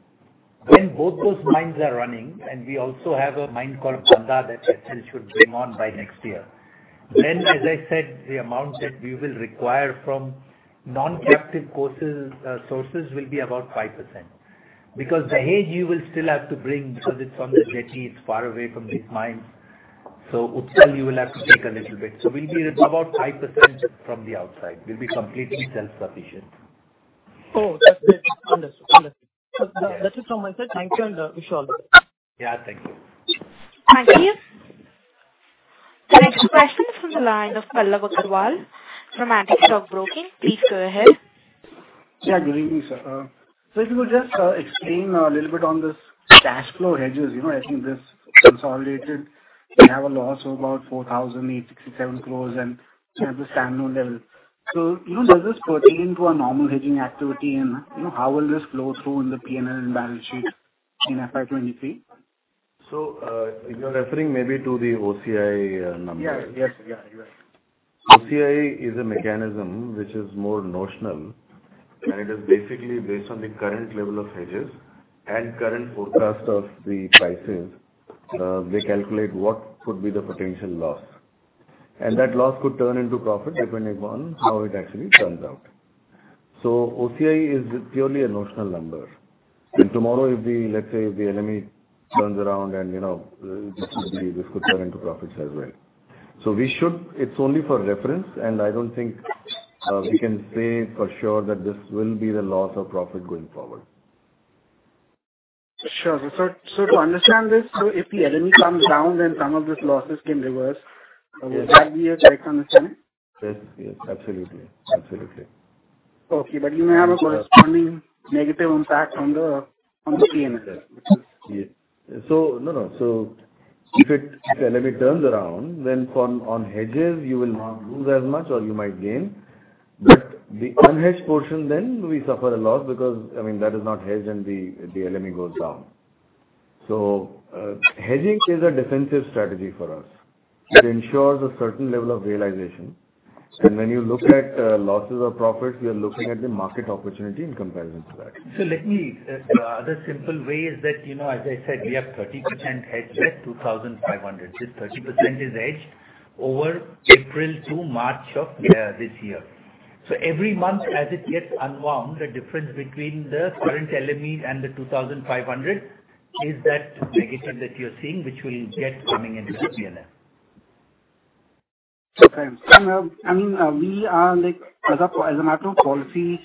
When both those mines are running, and we also have a mine called Kanda that Essel should bring on by next year, then, as I said, the amount that we will require from non-captive sources will be about 5%. Because the rest you will still have to bring because it's on the jetty, it's far away from these mines. Utkal, you will have to take a little bit. We'll be at about 5% from the outside. We'll be completely self-sufficient. Oh, that's it. Understood. That is from myself. Thank you, and wish you all the best. Yeah, thank you. Thank you. The next question is from the line of Pallav Agarwal from Antique Stock Broking. Please go ahead. Good evening, sir. If you could just explain a little bit on this cash flow hedges. You know, I think this consolidated, we have a loss of about 4,867 crores and at the standalone level. You know, does this pertain to a normal hedging activity, and, you know, how will this flow through in the P&L and balance sheet in FY 2023? If you're referring maybe to the OCI numbers. Yes. Yes. Yeah, you are right. OCI is a mechanism which is more notional, and it is basically based on the current level of hedges and current forecast of the prices. They calculate what could be the potential loss. That loss could turn into profit depending on how it actually turns out. OCI is purely a notional number. If tomorrow, let's say, the LME turns around and this could turn into profits as well. We should. It's only for reference, and I don't think we can say for sure that this will be the loss or profit going forward. Sure. To understand this, so if the LME comes down, then some of these losses can reverse. Yes. Would that be a correct understanding? Yes. Absolutely. Okay. You may have a corresponding negative impact on the P&L. If the LME turns around, then on hedges, you will not lose as much or you might gain. The unhedged portion then we suffer a lot because, I mean, that is not hedged, and the LME goes down. Hedging is a defensive strategy for us. It ensures a certain level of realization. When you look at losses or profits, we are looking at the market opportunity in comparison to that. Let me, the simple way is that, you know, as I said, we have 30% hedged at 2,500. This 30% is hedged over April to March of, this year. Every month as it gets unwound, the difference between the current LMEs and the 2,500 is that negative that you're seeing which will get coming into the P&L. Okay. I mean, we are like, as a matter of policy,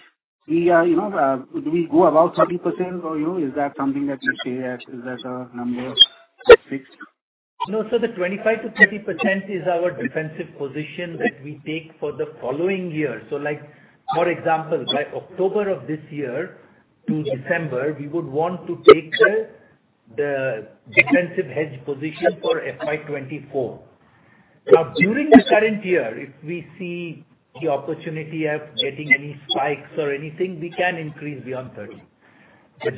we are, you know, do we go above 30% or, you know, is that something that you stay at? Is that a number that's fixed? No. The 25%-30% is our defensive position that we take for the following year. Like, for example, by October of this year to December, we would want to take the defensive hedge position for FY 2024. Now, during the current year, if we see the opportunity of getting any spikes or anything, we can increase beyond 30.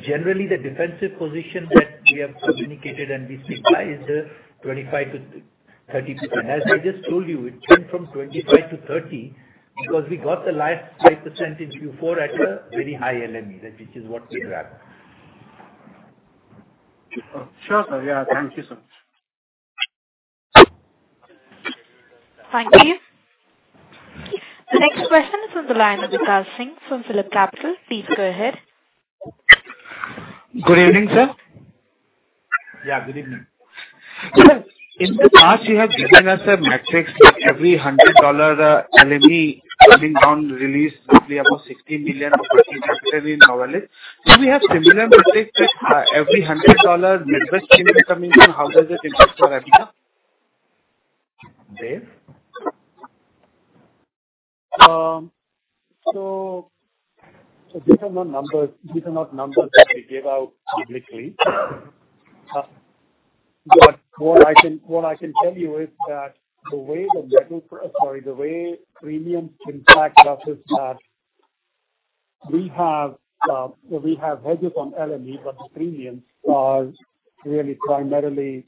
Generally, the defensive position that we have communicated and we stick by is the 25%-30%. As I just told you, it went from 25 to 30 because we got the last 5% in Q4 at a very high LME, that which is what we grabbed. Sure, sir. Yeah. Thank you, sir. Thank you. The next question is on the line of Vikas Singh from PhillipCapital. Please go ahead. Good evening, sir. Yeah, good evening. Sir, in the past you have given us a matrix that every $100 LME coming down release roughly about $16 million-$20 million in Novelis. Do we have similar matrix that every $100 Midwest Premium coming down, how does it impact EBITDA? Dev? These are not numbers that we give out publicly. But what I can tell you is that the way premium impacts us is that we have hedges on LME, but the premiums are really primarily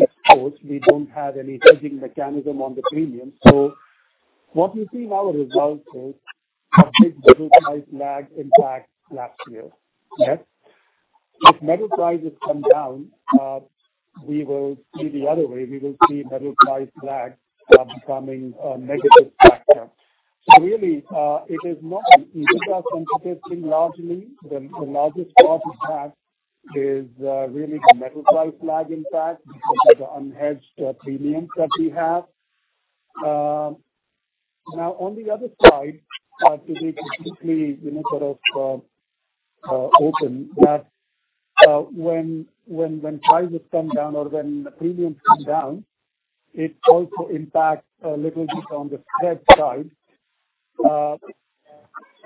export. We don't have any hedging mechanism on the premium. What you see in our results is a big double-size lag impact last year. Yes. If metal prices come down, we will see the other way. We will see metal price lag becoming a negative factor. Really, it is not an EBITDA anticipating largely. The largest part it has is really the metal price lag impact because of the unhedged premiums that we have. Now, on the other side, to be completely, you know, sort of open that when prices come down or when premiums come down, it also impacts a little bit on the spread side.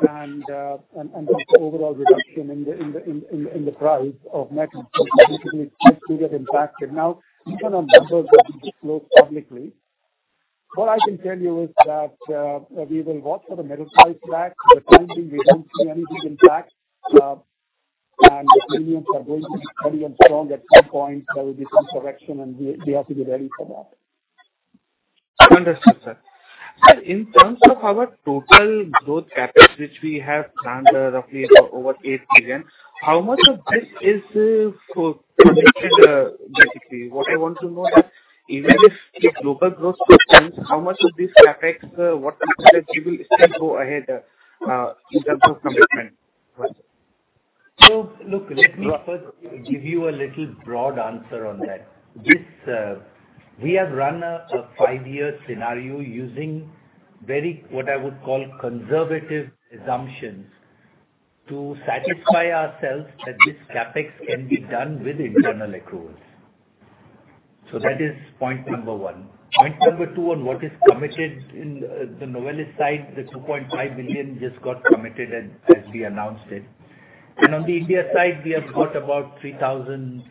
And there's overall reduction in the price of metal. Basically it gets bigger impacted. Now, these are not numbers that we disclose publicly. What I can tell you is that we will watch for the metal price lag. For the time being, we don't see anything, in fact. The premiums are going to be steady and strong. At some point, there will be some correction, and we have to be ready for that. Understood, sir. Sir, in terms of our total growth CapEx, which we have planned, roughly over 8 billion, how much of this is for committed, basically what I want to know is even if global growth slows down, how much of this CapEx, what percentage, you will still go ahead in terms of commitment? Look, let me first give you a little broad answer on that. We have run a five-year scenario using very, what I would call conservative assumptions to satisfy ourselves that this CapEx can be done with internal accruals. That is point number one. Point number two on what is committed in the Novelis site, the $2.5 billion just got committed as we announced it. On the India side, we have got about 3,500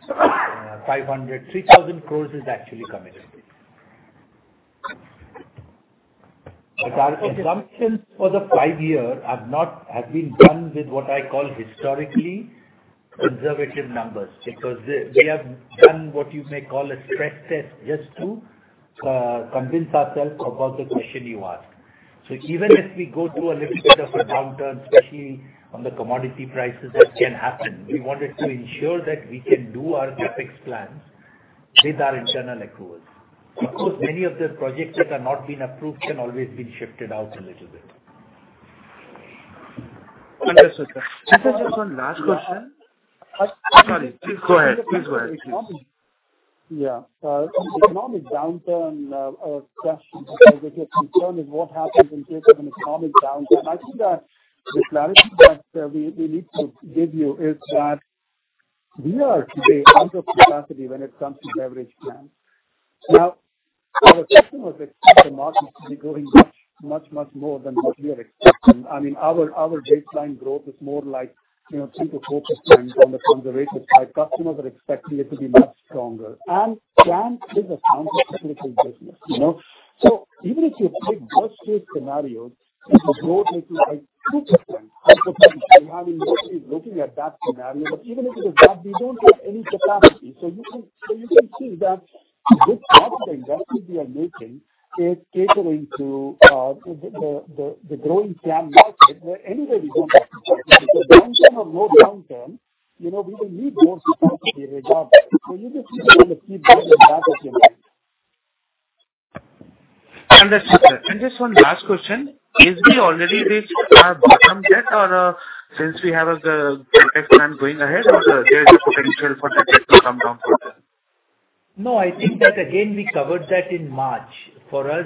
crore. 3,000 crore is actually committed. Our assumptions for the five-year have been done with what I call historically conservative numbers, because they have done what you may call a stress test just to convince ourselves about the question you ask. Even if we go through a little bit of a downturn, especially on the commodity prices that can happen, we wanted to ensure that we can do our CapEx plans with our internal accruals. Of course, many of the projects that have not been approved can always be shifted out a little bit. Understood, sir. Can I just one last question? Sorry. Please go ahead, please. Yeah. Economic downturn question, because if your concern is what happens in case of an economic downturn, I think that the clarity that we need to give you is that we are today under capacity when it comes to beverage cans. Now, our customers expect the markets to be growing much more than what we are expecting. I mean, our baseline growth is more like, you know, 2%-4% from the rates that our customers are expecting it to be much stronger. Can is a countercyclical business, you know. Even if you take worst-case scenario, the growth may be like 2%. We are having mostly looking at that scenario. But even if it is that, we don't have any capacity. You can see that this type of investment we are making is catering to the growing can market where anyway we don't have capacity. Downstream or no downturn, you know, we will need more capacity regardless. You just need to kind of keep that in the back of your mind. Understood, sir. Just one last question. Have we already reached our bottom debt or, since we have the CapEx plan going ahead or there is a potential for the debt to come down further? No, I think that, again, we covered that in March. For us,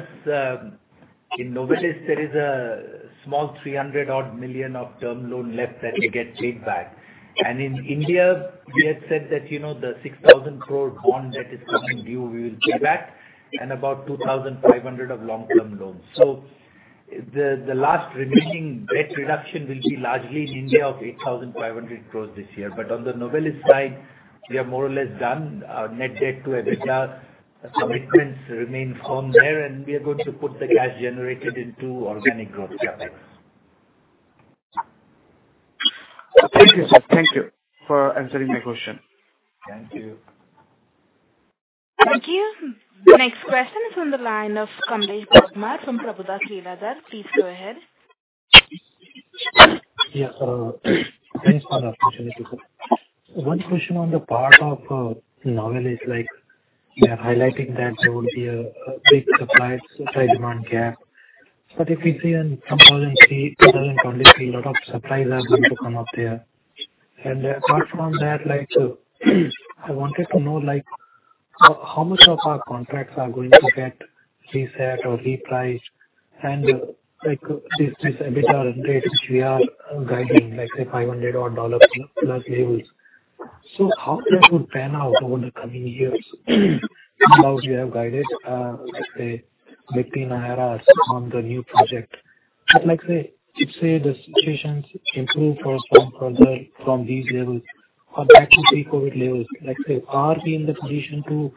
in Novelis there is a small 300-odd million of term loan left that will get paid back. In India we had said that, you know, the 6,000 crore bond debt is coming due, we will pay back and about 2,500 of long-term loans. The last remaining debt reduction will be largely in India of 8,500 crores this year. On the Novelis side, we are more or less done. Our net debt to EBITDA commitments remain firm there, and we are going to put the cash generated into organic growth CapEx. Thank you, sir. Thank you for answering my question. Thank you. Thank you. Next question is on the line of Kamlesh Bagmar from Prabhudas Lilladher. Please go ahead.. Yeah. Thanks for the opportunity, sir. One question on the part of Novelis, like you're highlighting that there will be a big supply-demand gap. But if we see in some other field, it doesn't look like a lot of suppliers are going to come up there. And apart from that, like I wanted to know, like how much of our contracts are going to get reset or repriced and, like these EBITDA rates which we are guiding, like say $500 odd dollar plus levels. How that would pan out over the coming years now we have guided, let's say, between IRR on the new project. Like, say, if the situations improve for some project from these levels or back to pre-COVID levels, like say, are we in the position to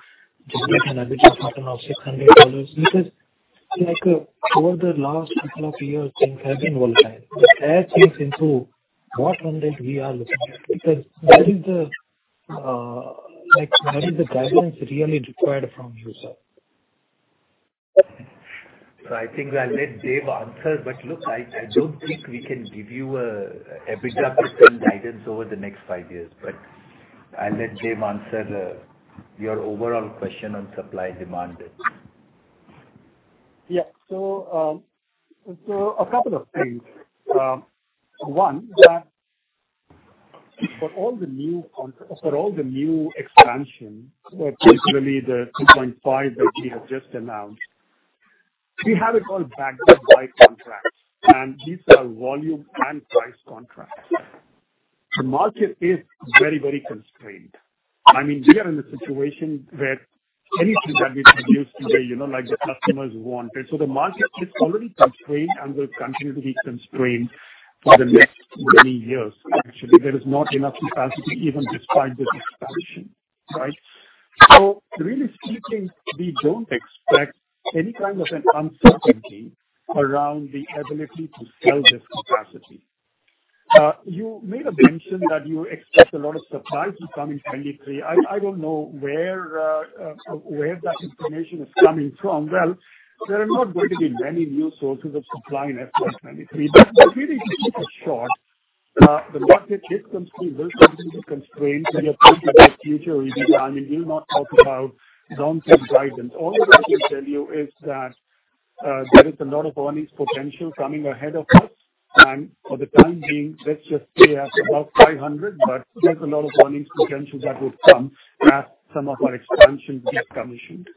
just make an EBITDA per ton of $600? Because, like, over the last couple of years, things have been volatile. But as things improve, what funding we are looking at? Because that is the guidance really required from you, sir. I think I'll let Dev Ahuja answer. Look, I don't think we can give you a EBITDA guidance over the next five years. I'll let Dev Ahuja answer your overall question on supply demand. Yeah. A couple of things. One, that for all the new expansion, particularly the 2.5 that we have just announced, we have it all backed up by contracts, and these are volume and price contracts. The market is very, very constrained. I mean, we are in a situation where anything that we produce today, you know, like, the customers want it. The market is already constrained and will continue to be constrained for the next many years. Actually, there is not enough capacity even despite this expansion, right? Really speaking, we don't expect any kind of an uncertainty around the ability to sell this capacity. You made a mention that you expect a lot of supply to come in 2023. I don't know where that information is coming from. Well, there are not going to be many new sources of supply in FY 2023. Really to keep it short, the market is constrained, will continue to be constrained when you think about future EBITDA. I mean, we'll not talk about long-term guidance. All that I can tell you is that there is a lot of earnings potential coming ahead of us, and for the time being, let's just say at about 500, but there's a lot of earnings potential that would come as some of our expansions get commissioned.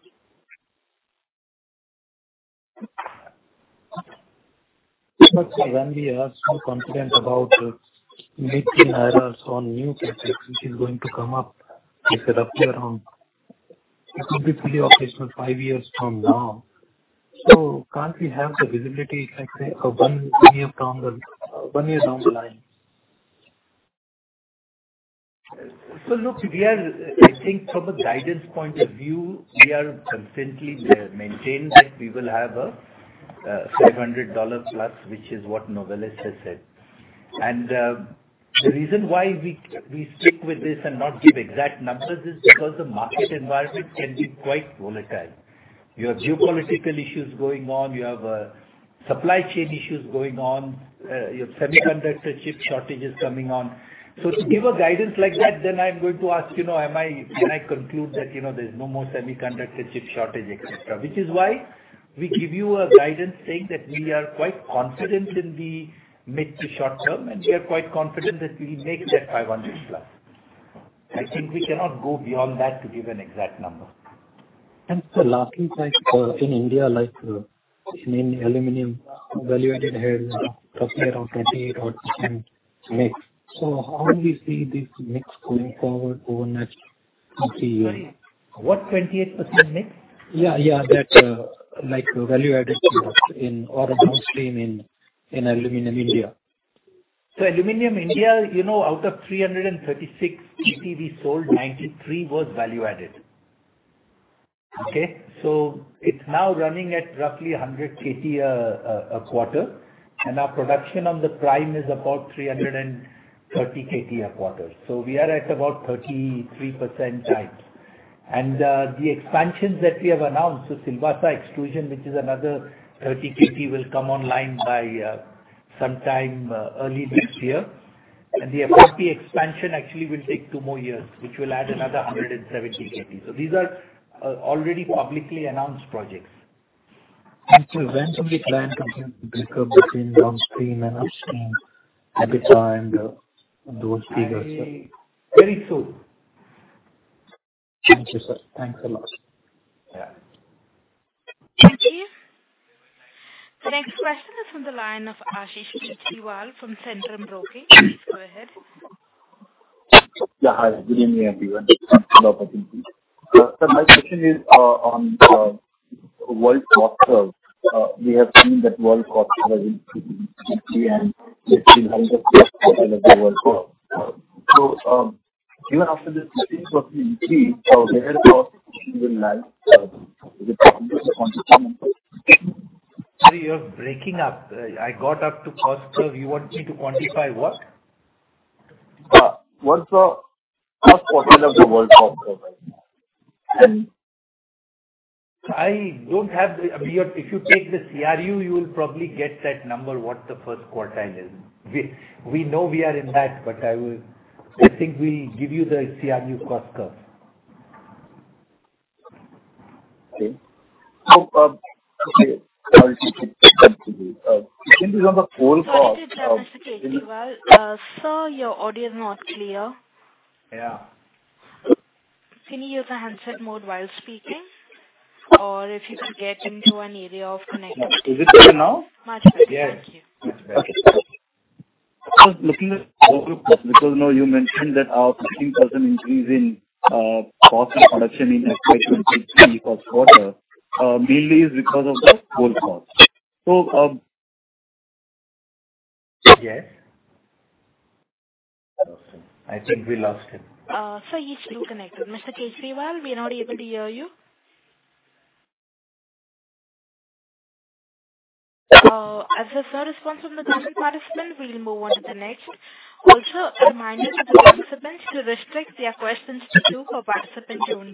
Sir, when we are so confident about making CapEx on new projects which is going to come up, say, roughly around. It will be fully operational five years from now. Can't we have the visibility, like, say, for one year from the, one year down the line? Look, we are, I think from a guidance point of view, we are confidently maintain that we will have a $500+, which is what Novelis has said. The reason why we stick with this and not give exact numbers is because the market environment can be quite volatile. You have geopolitical issues going on, you have supply chain issues going on, you have semiconductor chip shortages coming on. To give a guidance like that, then I'm going to ask, you know, can I conclude that, you know, there's no more semiconductor chip shortage, et cetera. Which is why we give you a guidance saying that we are quite confident in the mid to short term, and we are quite confident that we will make that $500+. I think we cannot go beyond that to give an exact number. Sir, lastly, like, in India, like, in aluminum value-added has roughly around 28% mix. How do we see this mix going forward over next three years? What? 28% mix? Yeah, yeah. That, like value-added in or downstream in aluminum India. Aluminum India, you know, out of 336 KT we sold, 93 was value-added. Okay? It's now running at roughly 100 KT a quarter. Our production on the primary is about 330 KT a quarter. We are at about 33% capacity. The expansions that we have announced, Silvassa extrusion, which is another 30 KT, will come online by sometime early next year. The FRP expansion actually will take two more years, which will add another 170 KT. These are already publicly announced projects. When will be planned to break up between downstream and upstream EBITDA and those figures, sir? Very soon. Thank you, sir. Thanks a lot. Yeah. Thank you. The next question is from the line of Ashish Kejriwal from Centrum Broking. Please go ahead. Yeah. Hi, good evening, everyone. Thanks for the opportunity. Sir, my question is on world cost curve. We have seen that world cost curve has increased and beyond the first quartile of the world. Even after this increase of ET, where the cost will land with the continuous consistency? Sorry, you're breaking up. I got up to first curve. You want me to quantify what? What's the first quarter of the world cost curve right now? If you take the CRU, you will probably get that number, what the first quartile is. We know we are in that, but I think we'll give you the CRU cost curve. Okay. On the coal cost. Sorry to interrupt, Mr. Ashish Kejriwal. Sir, your audio is not clear. Yeah. Can you use the handset mode while speaking? Or if you can get into an area of connection. Is it clear now? Much better. Thank you. Yes. Much better. I was looking at coal cost because, you know, you mentioned that our 15% increase in cost of production in FY 2023 fourth quarter mainly is because of the coal cost. Yes. I think we lost him. Sir, he's still connected. Mr. Ashish Kejriwal, we are not able to hear you. As there's no response from the current participant, we'll move on to the next. Also a reminder to the participants to restrict their questions to two per participant only.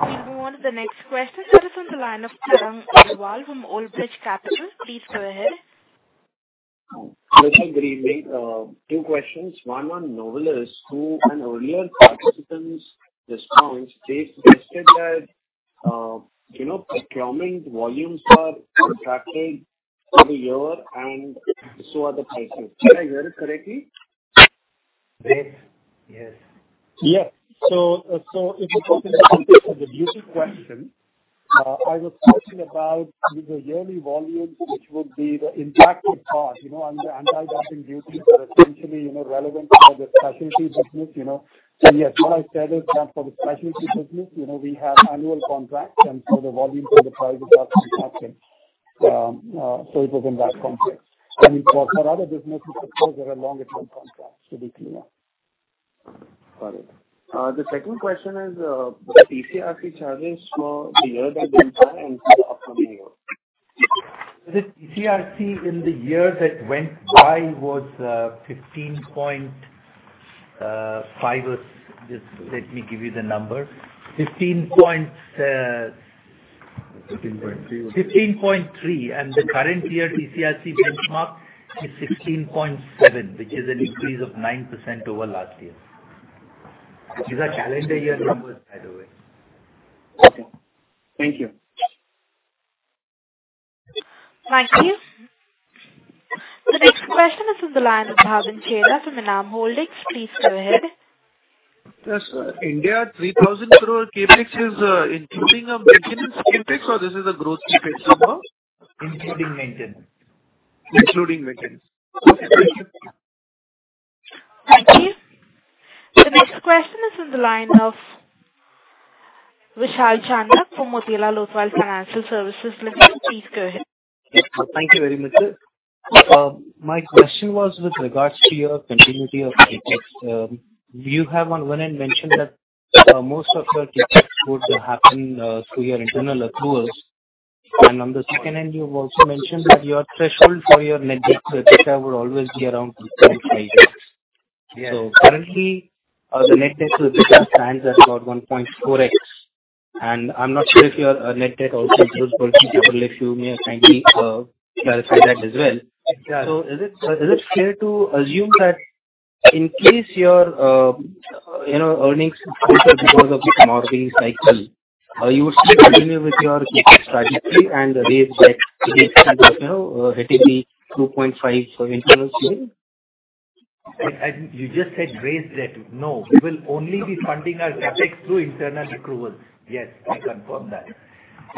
We'll move on to the next question. That is on the line of Tarang Agrawal from Old Bridge Capital. Please go ahead. Good morning. Two questions. One on Novelis. Two, on earlier participant's response, they suggested that, you know, procurement volumes are contracted for the year and so are the prices. Did I hear it correctly? Yes. Yes. If you put it in the context of the midstream question, I was questioning about the yearly volumes, which would be the impacted part, you know, under anti-dumping duties are essentially, you know, relevant for the specialty business, you know. Yes, what I said is that for the specialty business, you know, we have annual contracts, and so the volumes and the prices are contracted. It was in that context. For other businesses, of course, there are longer term contracts to be clear. Got it. The second question is, the TCRC charges for the year that went by and for the upcoming year. The TCRC in the year that went by was 15.5. Just let me give you the number. 15 point 15.3. 15.3. The current year TCRC benchmark is 16.7, which is an increase of 9% over last year. These are calendar year numbers, by the way. Okay. Thank you. Thank you. The next question is on the line of Bhavin Chheda from Enam Holdings. Please go ahead. Yes. India 3,000 crore CapEx is including maintenance CapEx or this is a growth CapEx number? Including maintenance. Including maintenance. Okay, thank you. Thank you. The next question is on the line of Vishal Chandak from Motilal Oswal Financial Services Limited. Please go ahead. Thank you very much, sir. My question was with regards to your continuity of CapEx. You have on one end mentioned that most of your CapEx would happen through your internal accruals. On the second end, you've also mentioned that your threshold for your net debt to EBITDA will always be around 2.5x. Yeah. Currently, the net debt to EBITDA stands at about 1.4x. I'm not sure if your net debt also includes working capital. If you may kindly clarify that as well. Yeah. Is it fair to assume that in case your, you know, earnings suffer because of this commodity cycle, you would still continue with your CapEx strategy and raise debt to get to, you know, that is the 2.5 for internal accrual? You just said raise debt. No, we will only be funding our CapEx through internal accruals. Yes, I confirm that.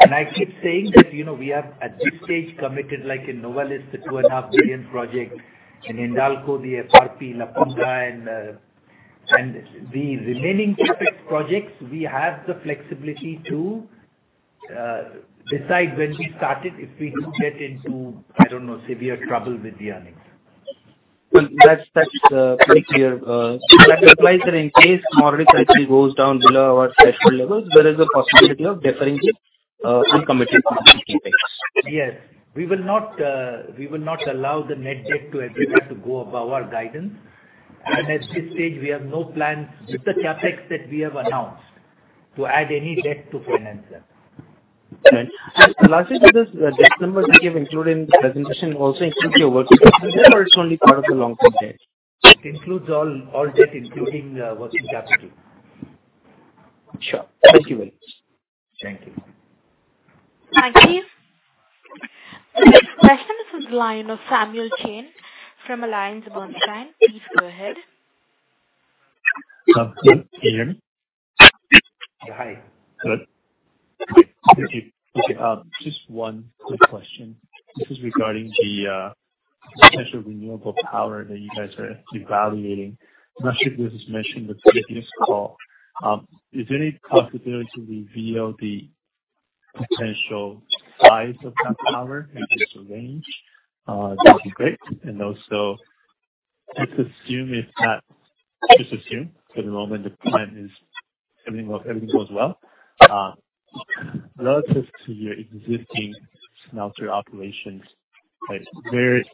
I keep saying that, you know, we have at this stage committed, like in Novelis, the $2.5 billion project, in Hindalco, the FRP, Lapanga and the remaining CapEx projects, we have the flexibility to decide when we start it if we do get into, I don't know, severe trouble with the earnings. Well, that's quite clear. That applies in case commodity cycle goes down below our threshold levels, there is a possibility of deferring the full commitment to these CapEx. Yes. We will not allow the net debt to EBITDA to go above our guidance. At this stage we have no plans with the CapEx that we have announced to add any debt to finance them. Right. Lastly, with this debt numbers you have included in the presentation also includes your working capital or it's only part of the long-term debt? Includes all debt, including working capital. Sure. Thank you very much. Thank you. Thank you. The next question is on the line of Samuel Chen from AllianceBernstein. Please go ahead. Samuel Chen, can you hear me? Yeah. Hi. Good. Thank you. Okay, just one quick question. This is regarding the potential renewable power that you guys are evaluating. I'm not sure if this was mentioned in the previous call. Is there any possibility to reveal the potential size of that power, maybe just a range? That'd be great. Also just assume for the moment the plan is everything goes well. Relative to your existing smelter operations, like where is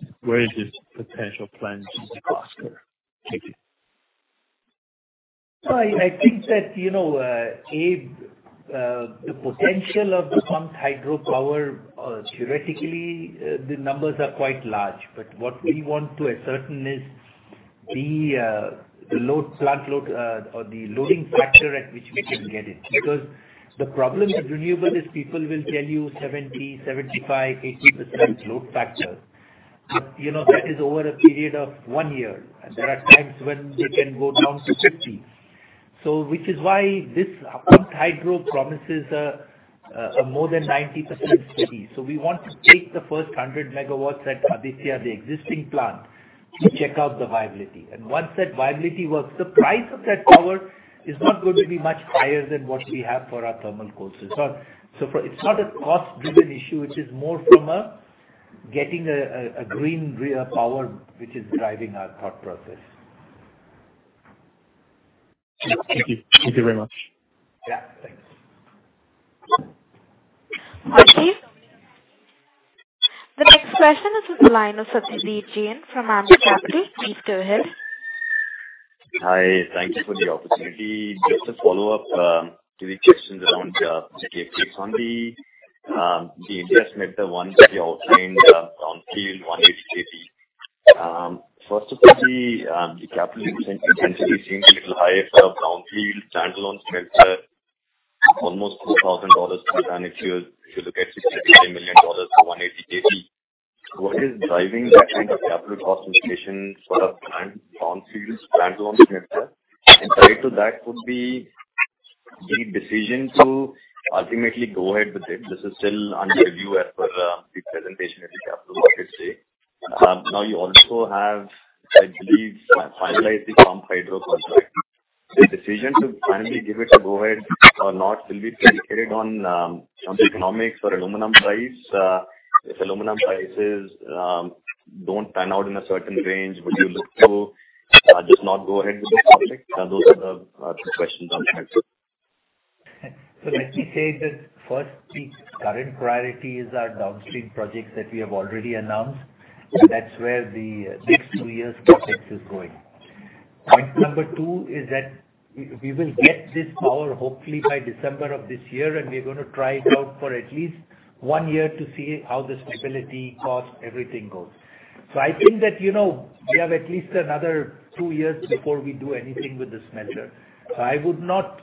this potential plant to prosper? Thank you. I think that, you know, the potential of the pumped hydro power, theoretically, the numbers are quite large. What we want to ascertain is the plant load or the loading factor at which we can get it. Because the problem with renewable is people will tell you 70, 75, 80% load factor. You know, that is over a period of one year. There are times when they can go down to 50. Which is why this pumped hydro promises a more than 90% steady. We want to take the first 100 MW at Aditya, the existing plant, to check out the viability. Once that viability works, the price of that power is not going to be much higher than what we have for our thermal cost. It's not a cost-driven issue, it is more from getting a green power which is driving our thought process. Thank you. Thank you very much. Yeah, thanks. Thank you. The next question is from the line of Satyadeep Jain from Ambit Capital. Please go ahead. Hi. Thank you for the opportunity. Just a follow-up to the questions around CapEx on the investment, the ones that you outlined, brownfield 180 KT. First of all, the capital intensity seems a little high for brownfield standalone smelter, almost $2,000 per tonne if you look at $60 million for 180 KT. What is driving that kind of capital cost indication for a brownfield standalone smelter? And tied to that would be the decision to ultimately go ahead with it. This is still under review as per the presentation at the Capital Markets Day. Now you also have, I believe, finalized the pumped hydro contract. The decision to finally give it a go ahead or not will be predicated on some economics or aluminum price. If aluminum prices don't pan out in a certain range, would you look to just not go ahead with this project? Those are the two questions on my end. Let me say that first, the current priorities are downstream projects that we have already announced. That's where the next two years' CapEx is going. Point number two is that we will get this power hopefully by December of this year, and we're gonna try it out for at least one year to see how the stability, cost, everything goes. I think that, you know, we have at least another two years before we do anything with the smelter. I would not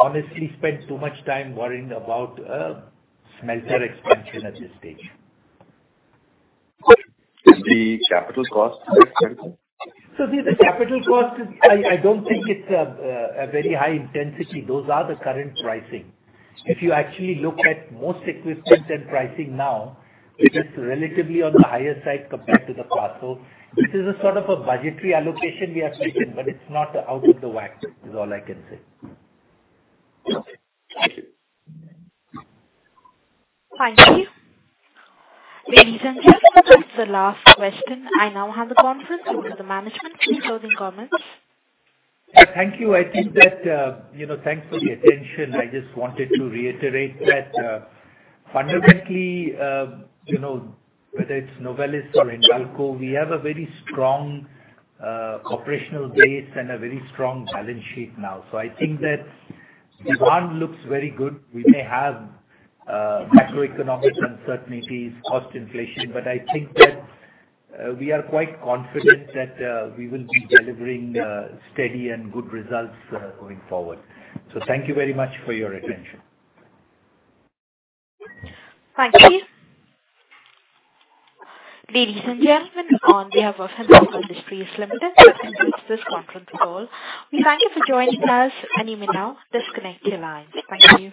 honestly spend too much time worrying about smelter expansion at this stage. Is the capital cost very critical? The capital cost is. I don't think it's a very high intensity. Those are the current pricing. If you actually look at most equipment and pricing now, it is relatively on the higher side compared to the past. This is a sort of a budgetary allocation we are making, but it's not out of whack is all I can say. Okay. Thank you. Thank you. Ladies and gentlemen, that's the last question. I now hand the conference over to the management for any closing comments. Thank you. I think that, you know, thanks for the attention. I just wanted to reiterate that, fundamentally, you know, whether it's Novelis or Hindalco, we have a very strong, operational base and a very strong balance sheet now. I think that demand looks very good. We may have, macroeconomic uncertainties, cost inflation, but I think that, we are quite confident that, we will be delivering, steady and good results, going forward. Thank you very much for your attention. Thank you. Ladies and gentlemen, on behalf of Hindalco Industries Limited, I conclude this conference call. We thank you for joining us, and you may now disconnect your lines. Thank you.